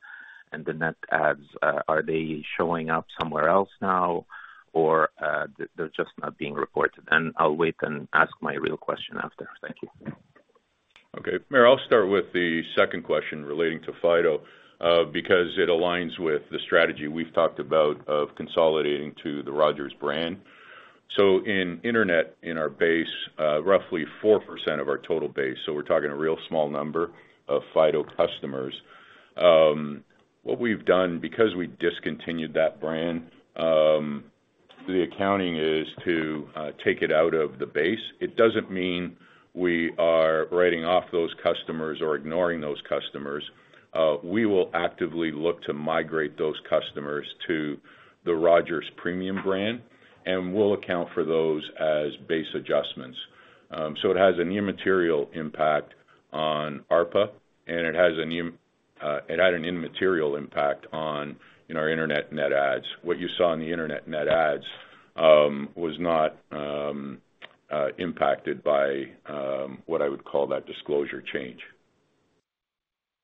and the net adds? Are they showing up somewhere else now, or, they're just not being reported? I'll wait and ask my real question after. Thank you. Okay, Maher, I'll start with the second question relating to Fido because it aligns with the strategy we've talked about of consolidating to the Rogers brand. So in internet, in our base, roughly 4% of our total base, so we're talking a real small number of Fido customers. What we've done, because we discontinued that brand, the accounting is to take it out of the base. It doesn't mean we are writing off those customers or ignoring those customers. We will actively look to migrate those customers to the Rogers premium brand, and we'll account for those as base adjustments. So it has an immaterial impact on ARPA, and it had an immaterial impact on our internet net adds. What you saw in the internet net adds was not impacted by what I would call that disclosure change.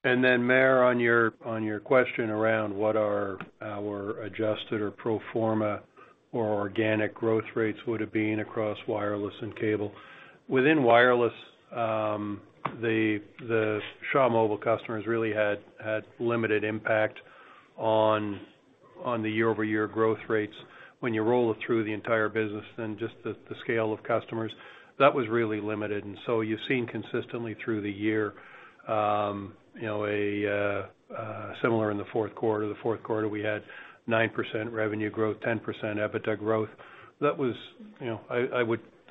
Then, Maher, on your question around what are our adjusted or pro forma or organic growth rates would have been across wireless and cable. Within wireless, the Shaw Mobile customers really had limited impact on the year-over-year growth rates. When you roll it through the entire business than just the scale of customers, that was really limited. And so you've seen consistently through the year, you know, similar in the fourth quarter. The fourth quarter, we had 9% revenue growth, 10% EBITDA growth. That was, you know,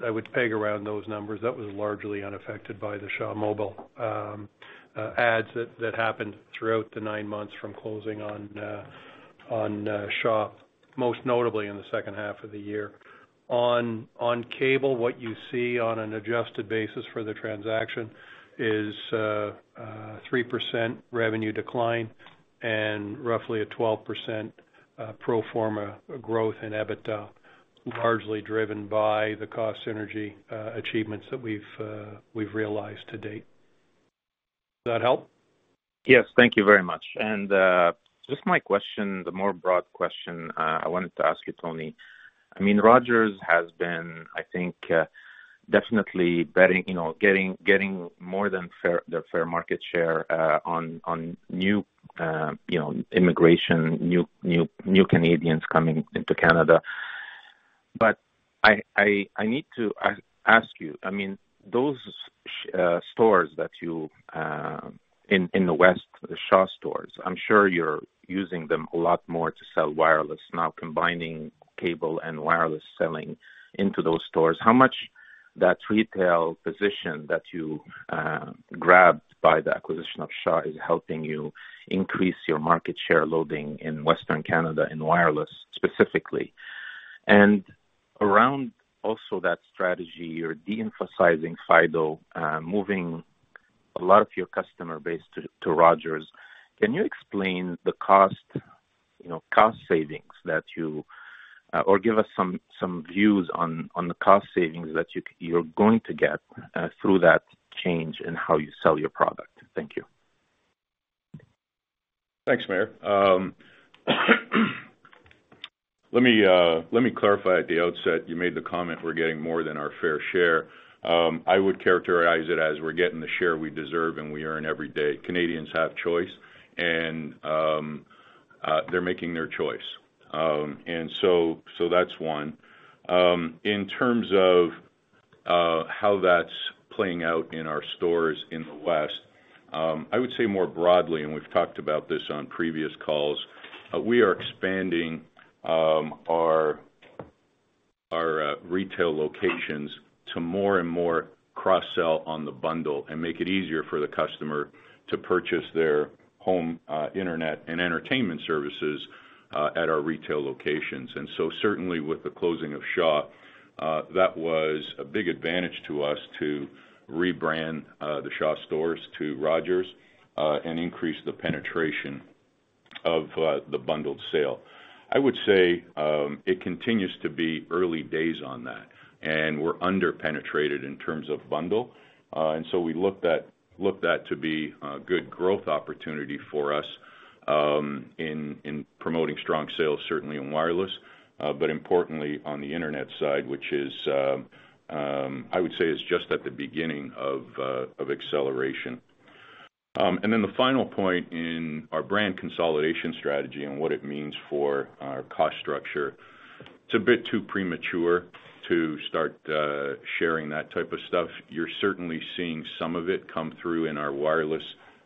I would peg around those numbers. That was largely unaffected by the Shaw Mobile adds that happened throughout the nine months from closing on Shaw, most notably in the second half of the year. On cable, what you see on an adjusted basis for the transaction is a 3% revenue decline and roughly a 12% pro forma growth in EBITDA, largely driven by the cost synergy achievements that we've realized to date. Does that help? Yes, thank you very much. Just my question, the more broad question I wanted to ask you, Tony. I mean, Rogers has been, I think, definitely betting, you know, getting more than fair, the fair market share, on, on new, you know, immigration, new, new, new Canadians coming into Canada. But I need to ask you, I mean, those stores that you in the West, the Shaw stores, I'm sure you're using them a lot more to sell wireless now, combining cable and wireless selling into those stores. How much that retail position that you grabbed by the acquisition of Shaw is helping you increase your market share loading in Western Canada in wireless, specifically. And around also that strategy, you're de-emphasizing Fido, moving a lot of your customer base to Rogers. Can you explain the cost, you know, cost savings that you or give us some views on the cost savings that you're going to get through that change in how you sell your product? Thank you. Thanks, Maher. Let me clarify at the outset, you made the comment, we're getting more than our fair share. I would characterize it as we're getting the share we deserve, and we earn every day. Canadians have choice, and they're making their choice. And so that's one. In terms of how that's playing out in our stores in the West, I would say more broadly, and we've talked about this on previous calls, we are expanding our retail locations to more and more cross-sell on the bundle, and make it easier for the customer to purchase their home internet and entertainment services at our retail locations. And so certainly with the closing of Shaw, that was a big advantage to us to rebrand the Shaw stores to Rogers, and increase the penetration of the bundled sale. I would say it continues to be early days on that, and we're under-penetrated in terms of bundle. And so we look that to be a good growth opportunity for us, in promoting strong sales, certainly in wireless, but importantly on the internet side, which is, I would say is just at the beginning of of acceleration. And then the final point in our brand consolidation strategy and what it means for our cost structure, it's a bit too premature to start sharing that type of stuff. You're certainly seeing some of it come through in our wireless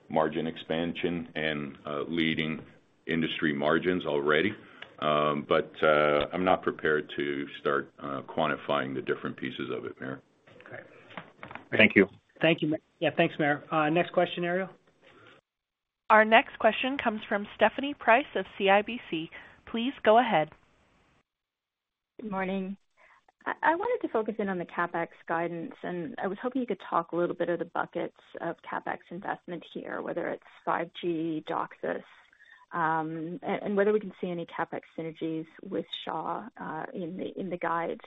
margin expansion and leading industry margins already. But, I'm not prepared to start quantifying the different pieces of it, Maher. Okay. Thank you. Thank you, Maher. Yeah, thanks, Maher. Next question, Ariel. Our next question comes from Stephanie Price of CIBC. Please go ahead. Good morning. I wanted to focus in on the CapEx guidance, and I was hoping you could talk a little bit of the buckets of CapEx investment here, whether it's 5G, DOCSIS, and whether we can see any CapEx synergies with Shaw in the guide.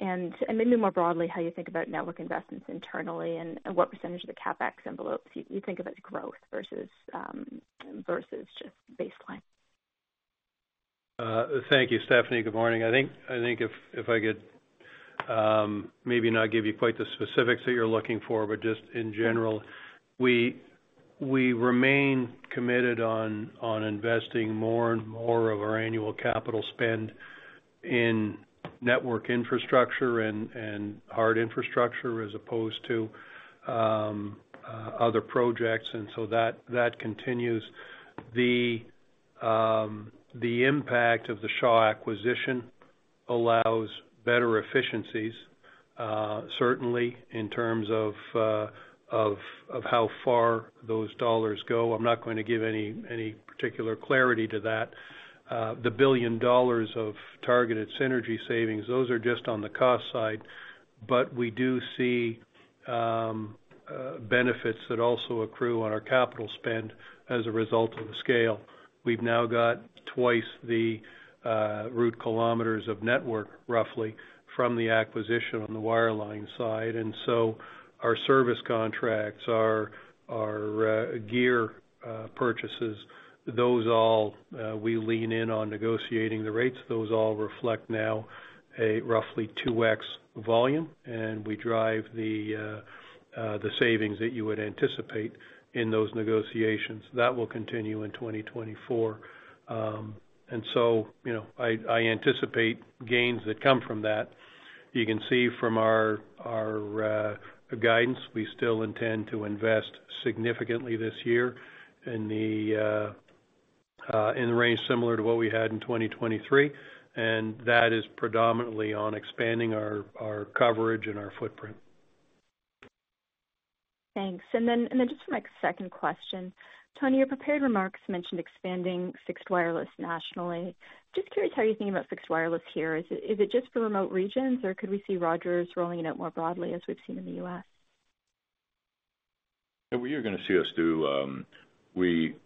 And maybe more broadly, how you think about network investments internally, and what percentage of the CapEx envelopes you think of as growth versus just baseline? Thank you, Stephanie. Good morning. I think if I could maybe not give you quite the specifics that you're looking for, but just in general, we remain committed on investing more and more of our annual capital spend in network infrastructure and hard infrastructure, as opposed to other projects, and so that continues. The impact of the Shaw acquisition allows better efficiencies, certainly in terms of how far those dollars go. I'm not going to give any particular clarity to that. The 1 billion dollars of targeted synergy savings, those are just on the cost side, but we do see benefits that also accrue on our capital spend as a result of the scale. We've now got twice the route kilometers of network, roughly, from the acquisition on the wireline side. So our service contracts, our gear purchases, those all we lean in on negotiating the rates. Those all reflect now a roughly 2x volume, and we drive the savings that you would anticipate in those negotiations. That will continue in 2024. And so, you know, I anticipate gains that come from that. You can see from our guidance, we still intend to invest significantly this year in the range similar to what we had in 2023, and that is predominantly on expanding our coverage and our footprint. Thanks. And then just for my second question: Tony, your prepared remarks mentioned expanding fixed wireless nationally. Just curious how you think about fixed wireless here? Is it just for remote regions, or could we see Rogers rolling it out more broadly, as we've seen in the U.S.? Yeah, well, you're gonna see us do. We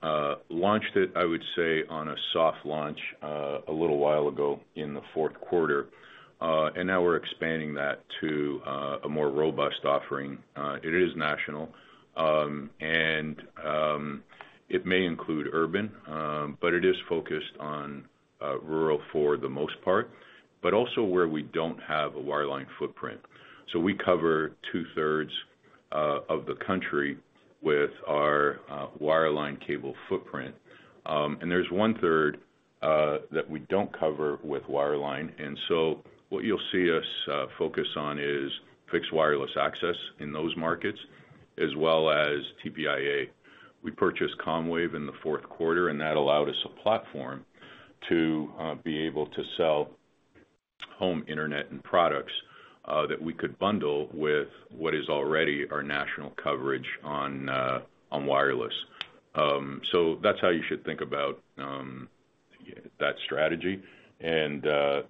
launched it, I would say, on a soft launch a little while ago in the fourth quarter, and now we're expanding that to a more robust offering. It is national, and it may include urban, but it is focused on rural for the most part, but also where we don't have a wireline footprint. So we cover two-thirds of the country with our wireline cable footprint. And there's one-third that we don't cover with wireline, and so what you'll see us focus on is fixed wireless access in those markets, as well as TPIA. We purchased Comwave in the fourth quarter, and that allowed us a platform to be able to sell home internet and products that we could bundle with what is already our national coverage on wireless. So that's how you should think about that strategy, and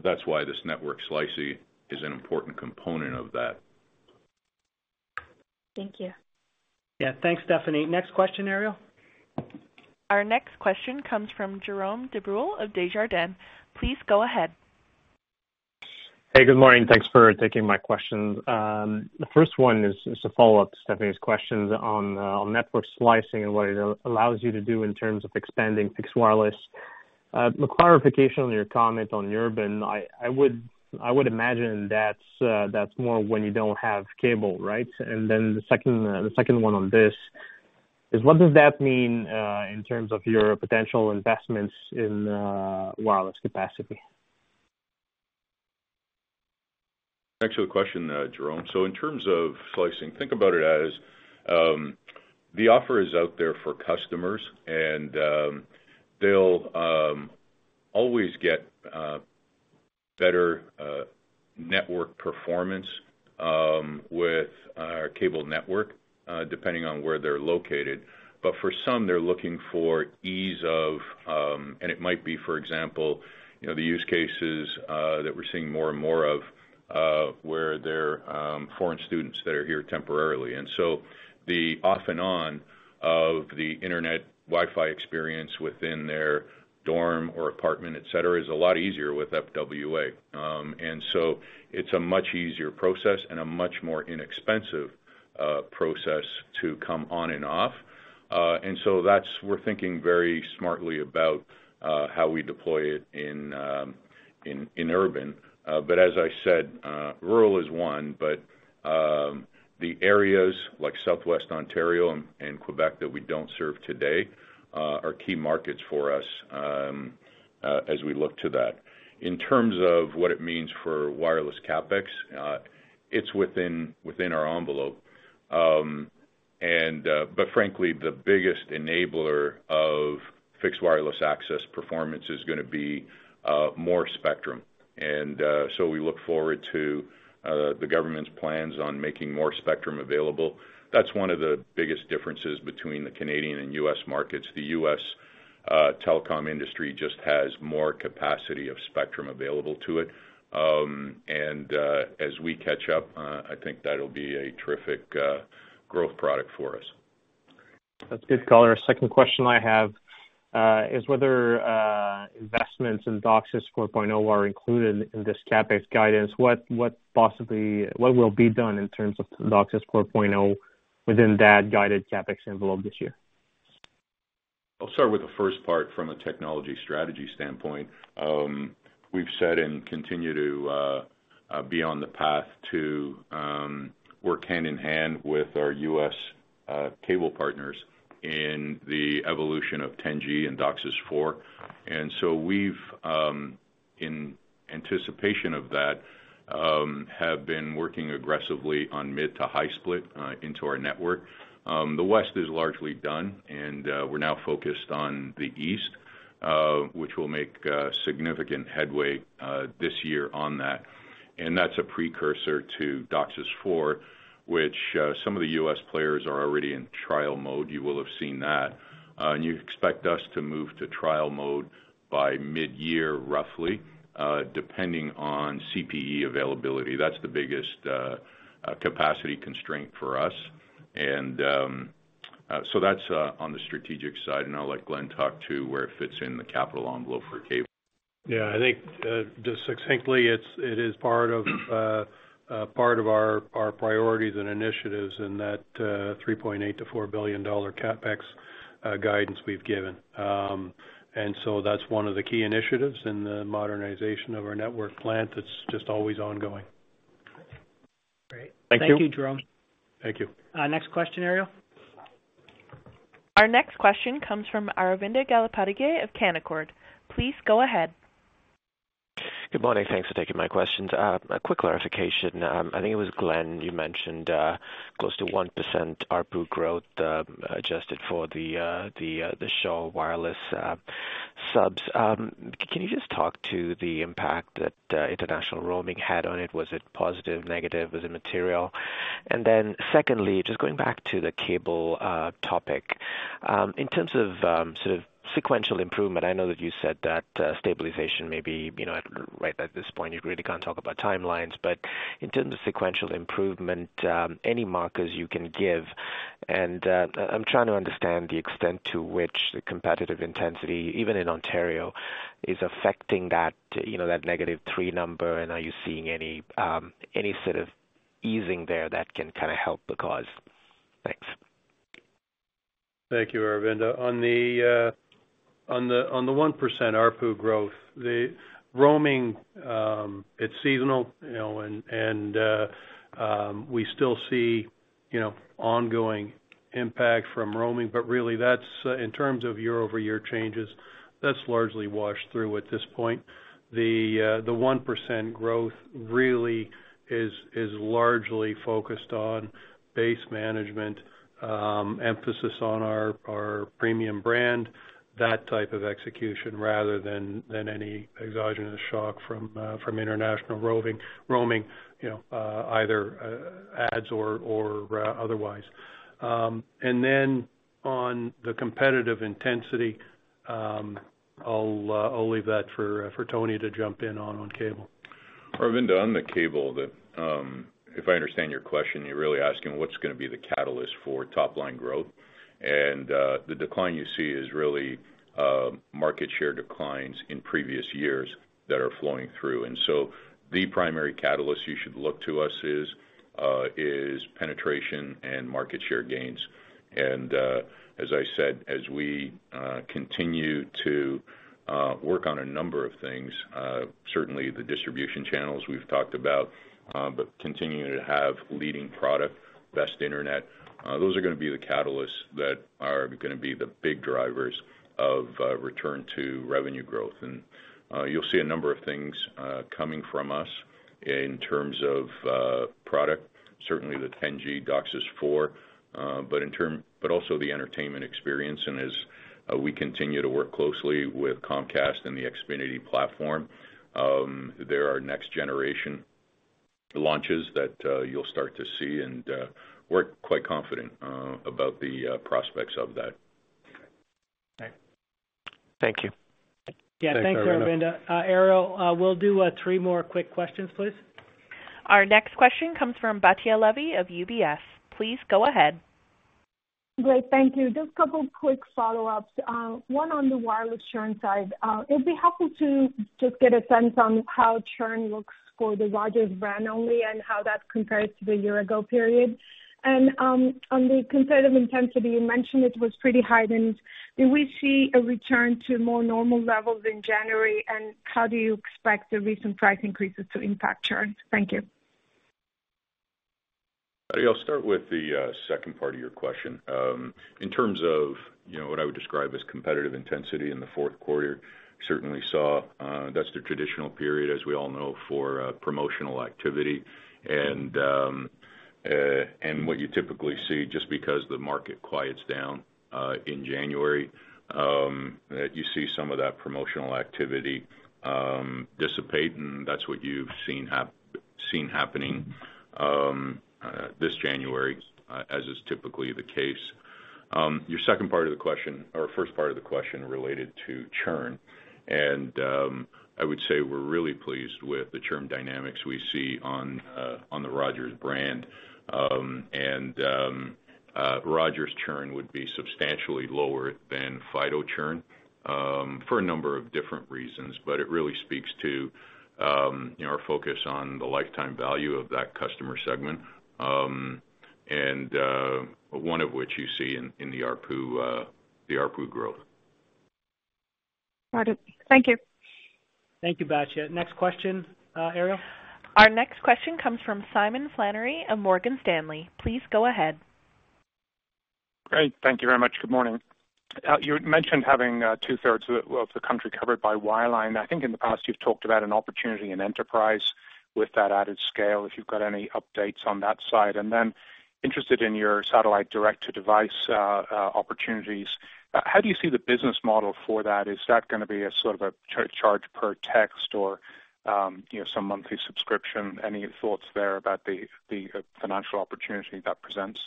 that's why this network slicing is an important component of that. Thank you. Yeah. Thanks, Stephanie. Next question, Ariel. Our next question comes from Jerome Dubreuil of Desjardins. Please go ahead. Hey, good morning. Thanks for taking my questions. The first one is a follow-up to Stephanie's questions on network slicing and what it allows you to do in terms of expanding fixed wireless. The clarification on your comment on urban, I would imagine that's more when you don't have cable, right? And then the second one on this is, what does that mean in terms of your potential investments in wireless capacity? Excellent question, Jerome. So in terms of slicing, think about it as the offer is out there for customers, and they'll always get better network performance with our cable network depending on where they're located. But for some, they're looking for ease of, and it might be, for example, you know, the use cases that we're seeing more and more of, where they're foreign students that are here temporarily. And so the off and on of the internet, Wi-Fi experience within their dorm or apartment, et cetera, is a lot easier with FWA. And so it's a much easier process and a much more inexpensive process to come on and off. And so that's—we're thinking very smartly about how we deploy it in urban. But as I said, rural is one, but the areas like Southwest Ontario and Quebec that we don't serve today are key markets for us as we look to that. In terms of what it means for wireless CapEx, it's within our envelope. But frankly, the biggest enabler of fixed wireless access performance is gonna be more spectrum. So we look forward to the government's plans on making more spectrum available. That's one of the biggest differences between the Canadian and U.S. markets. The U.S. telecom industry just has more capacity of spectrum available to it. As we catch up, I think that'll be a terrific growth product for us. That's a good color. Second question I have is whether investments in DOCSIS 4.0 are included in this CapEx guidance. What will be done in terms of DOCSIS 4.0 within that guided CapEx envelope this year? I'll start with the first part from a technology strategy standpoint. We've said and continue to be on the path to work hand in hand with our U.S. cable partners in the evolution of 10G and DOCSIS 4.0. And so we've, in anticipation of that, have been working aggressively on mid-to-high split into our network. The West is largely done, and we're now focused on the East, which will make significant headway this year on that. And that's a precursor to DOCSIS 4.0, which some of the U.S. players are already in trial mode. You will have seen that. And you expect us to move to trial mode by mid-year, roughly, depending on CPE availability. That's the biggest capacity constraint for us. And, so that's on the strategic side, and I'll let Glenn talk to where it fits in the capital envelope for cable. Yeah, I think just succinctly, it is part of our priorities and initiatives in that 3.8 billion-4 billion dollar CapEx guidance we've given. And so that's one of the key initiatives in the modernization of our network plant that's just always ongoing. Great. Thank you. Thank you, Jerome. Thank you. Next question, Ariel. Our next question comes from Aravinda Galappatthige of Canaccord. Please go ahead. Good morning. Thanks for taking my questions. A quick clarification. I think it was Glenn, you mentioned close to 1% ARPU growth, adjusted for the Shaw Wireless subs. Can you just talk to the impact that international roaming had on it? Was it positive, negative? Was it material? And then secondly, just going back to the cable topic, in terms of sort of sequential improvement, I know that you said that stabilization may be, you know, right at this point, you really can't talk about timelines. But in terms of sequential improvement, any markers you can give? I'm trying to understand the extent to which the competitive intensity, even in Ontario, is affecting that, you know, that -3 number, and are you seeing any sort of easing there that can kinda help the cause? Thanks. Thank you, Aravinda. On the 1% ARPU growth, the roaming, it's seasonal, you know, and we still see, you know, ongoing impact from roaming, but really that's, in terms of year-over-year changes, that's largely washed through at this point. The 1% growth really is largely focused on base management, emphasis on our premium brand, that type of execution, rather than any exogenous shock from international roaming, you know, either ads or otherwise. And then on the competitive intensity, I'll leave that for Tony to jump in on cable. Aravinda, on the cable that, if I understand your question, you're really asking what's gonna be the catalyst for top line growth? And, the decline you see is really, market share declines in previous years that are flowing through. And so the primary catalyst you should look to us is, is penetration and market share gains. And, as I said, as we continue to work on a number of things, certainly the distribution channels we've talked about, but continuing to have leading product, best internet, those are gonna be the catalysts that are gonna be the big drivers of, return to revenue growth. And, you'll see a number of things, coming from us in terms of, product. Certainly the 10G DOCSIS 4.0, but also the entertainment experience, and as we continue to work closely with Comcast and the Xfinity platform, there are next generation launches that you'll start to see, and we're quite confident about the prospects of that. Okay. Thank you. Thanks, Aravinda. Yeah, thanks, Aravinda. Ariel, we'll do three more quick questions, please. Our next question comes from Batya Levi of UBS. Please go ahead. Great. Thank you. Just a couple quick follow-ups. One, on the wireless churn side, it'd be helpful to just get a sense on how churn looks for the Rogers brand only and how that compares to the year ago period. And, on the competitive intensity, you mentioned it was pretty heightened. Did we see a return to more normal levels in January, and how do you expect the recent price increases to impact churn? Thank you. Batya, I'll start with the second part of your question. In terms of, you know, what I would describe as competitive intensity in the fourth quarter, certainly saw that's the traditional period, as we all know, for promotional activity. And what you typically see, just because the market quiets down in January, that you see some of that promotional activity dissipate, and that's what you've seen seen happening this January, as is typically the case. Your second part of the question or first part of the question related to churn, and I would say we're really pleased with the churn dynamics we see on the Rogers brand. Rogers churn would be substantially lower than Fido churn for a number of different reasons, but it really speaks to, you know, our focus on the lifetime value of that customer segment, and one of which you see in the ARPU, the ARPU growth. Got it. Thank you. Thank you, Batya. Next question, Ariel. Our next question comes from Simon Flannery of Morgan Stanley. Please go ahead. Great. Thank you very much. Good morning. You had mentioned having two-thirds of the country covered by wireline. I think in the past, you've talked about an opportunity in enterprise with that added scale, if you've got any updates on that side. And then interested in your satellite direct-to-device opportunities. How do you see the business model for that? Is that gonna be a sort of a charge per text or, you know, some monthly subscription? Any thoughts there about the financial opportunity that presents?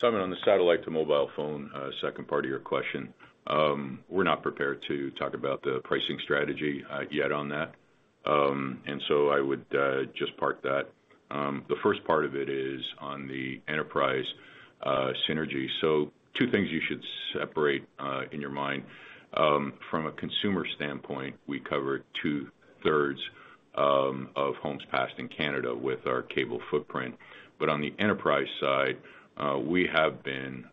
Simon, on the satellite to mobile phone, second part of your question, we're not prepared to talk about the pricing strategy, yet on that. And so I would just park that. The first part of it is on the enterprise synergy. So two things you should separate in your mind. From a consumer standpoint, we cover two-thirds of homes passed in Canada with our cable footprint. But on the enterprise side, we have been,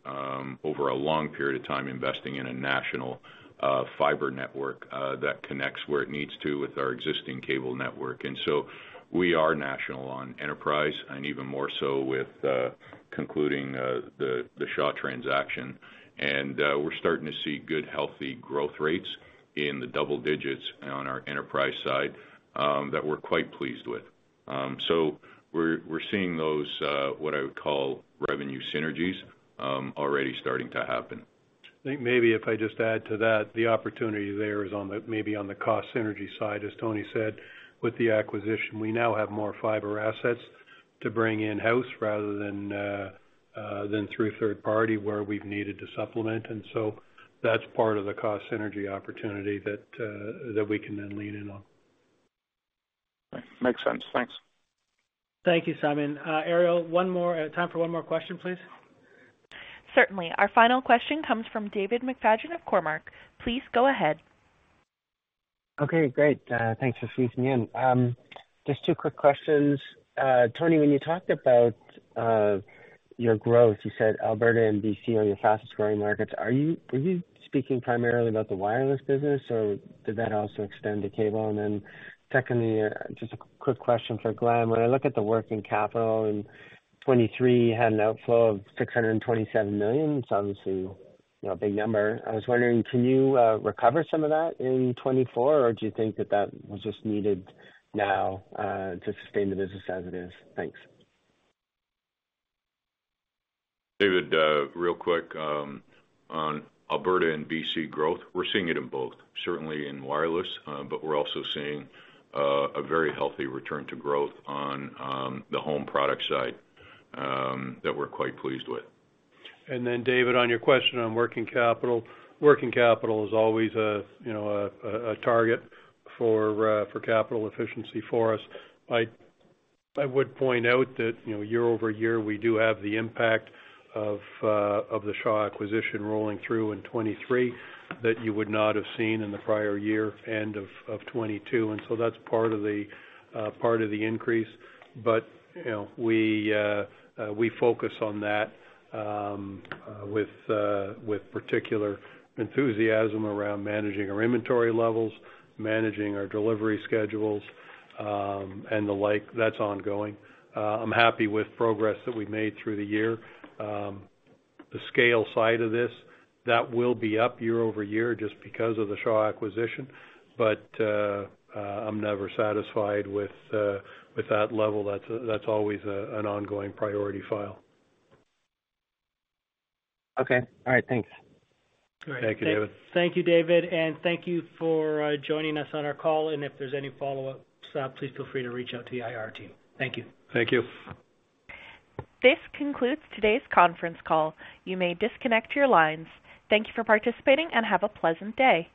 over a long period of time, investing in a national fiber network that connects where it needs to with our existing cable network. And so we are national on enterprise, and even more so with concluding the Shaw transaction. We're starting to see good, healthy growth rates in the double digits on our enterprise side that we're quite pleased with. So we're seeing those, what I would call revenue synergies, already starting to happen. I think maybe if I just add to that, the opportunity there is on the maybe on the cost synergy side, as Tony said, with the acquisition, we now have more fiber assets to bring in-house rather than through third party, where we've needed to supplement. And so that's part of the cost synergy opportunity that we can then lean in on. Makes sense. Thanks. Thank you, Simon. Ariel, one more time for one more question, please. Certainly. Our final question comes from David McFadgen of Cormark. Please go ahead. Okay, great. Thanks for squeezing me in. Just two quick questions. Tony, when you talked about your growth, you said Alberta and BC are your fastest growing markets. Are you-- were you speaking primarily about the wireless business, or did that also extend to cable? And then secondly, just a quick question for Glenn. When I look at the working capital in 2023, you had an outflow of 627 million. It's obviously... You know, a big number. I was wondering, can you recover some of that in 2024, or do you think that that was just needed now to sustain the business as it is? Thanks. David, real quick, on Alberta and BC growth. We're seeing it in both, certainly in wireless, but we're also seeing a very healthy return to growth on the home product side that we're quite pleased with. And then, David, on your question on working capital, working capital is always a, you know, target for capital efficiency for us. I would point out that, you know, year-over-year, we do have the impact of the Shaw acquisition rolling through in 2023, that you would not have seen in the prior year end of 2022, and so that's part of the part of the increase. But, you know, we focus on that with particular enthusiasm around managing our inventory levels, managing our delivery schedules, and the like. That's ongoing. I'm happy with progress that we've made through the year. The scale side of this, that will be up year-over-year just because of the Shaw acquisition, but I'm never satisfied with that level. That's always an ongoing priority file. Okay. All right, thanks. All right. Thank you, David. Thank you, David, and thank you for joining us on our call, and if there's any follow-ups, please feel free to reach out to the IR team. Thank you. Thank you. This concludes today's conference call. You may disconnect your lines. Thank you for participating, and have a pleasant day!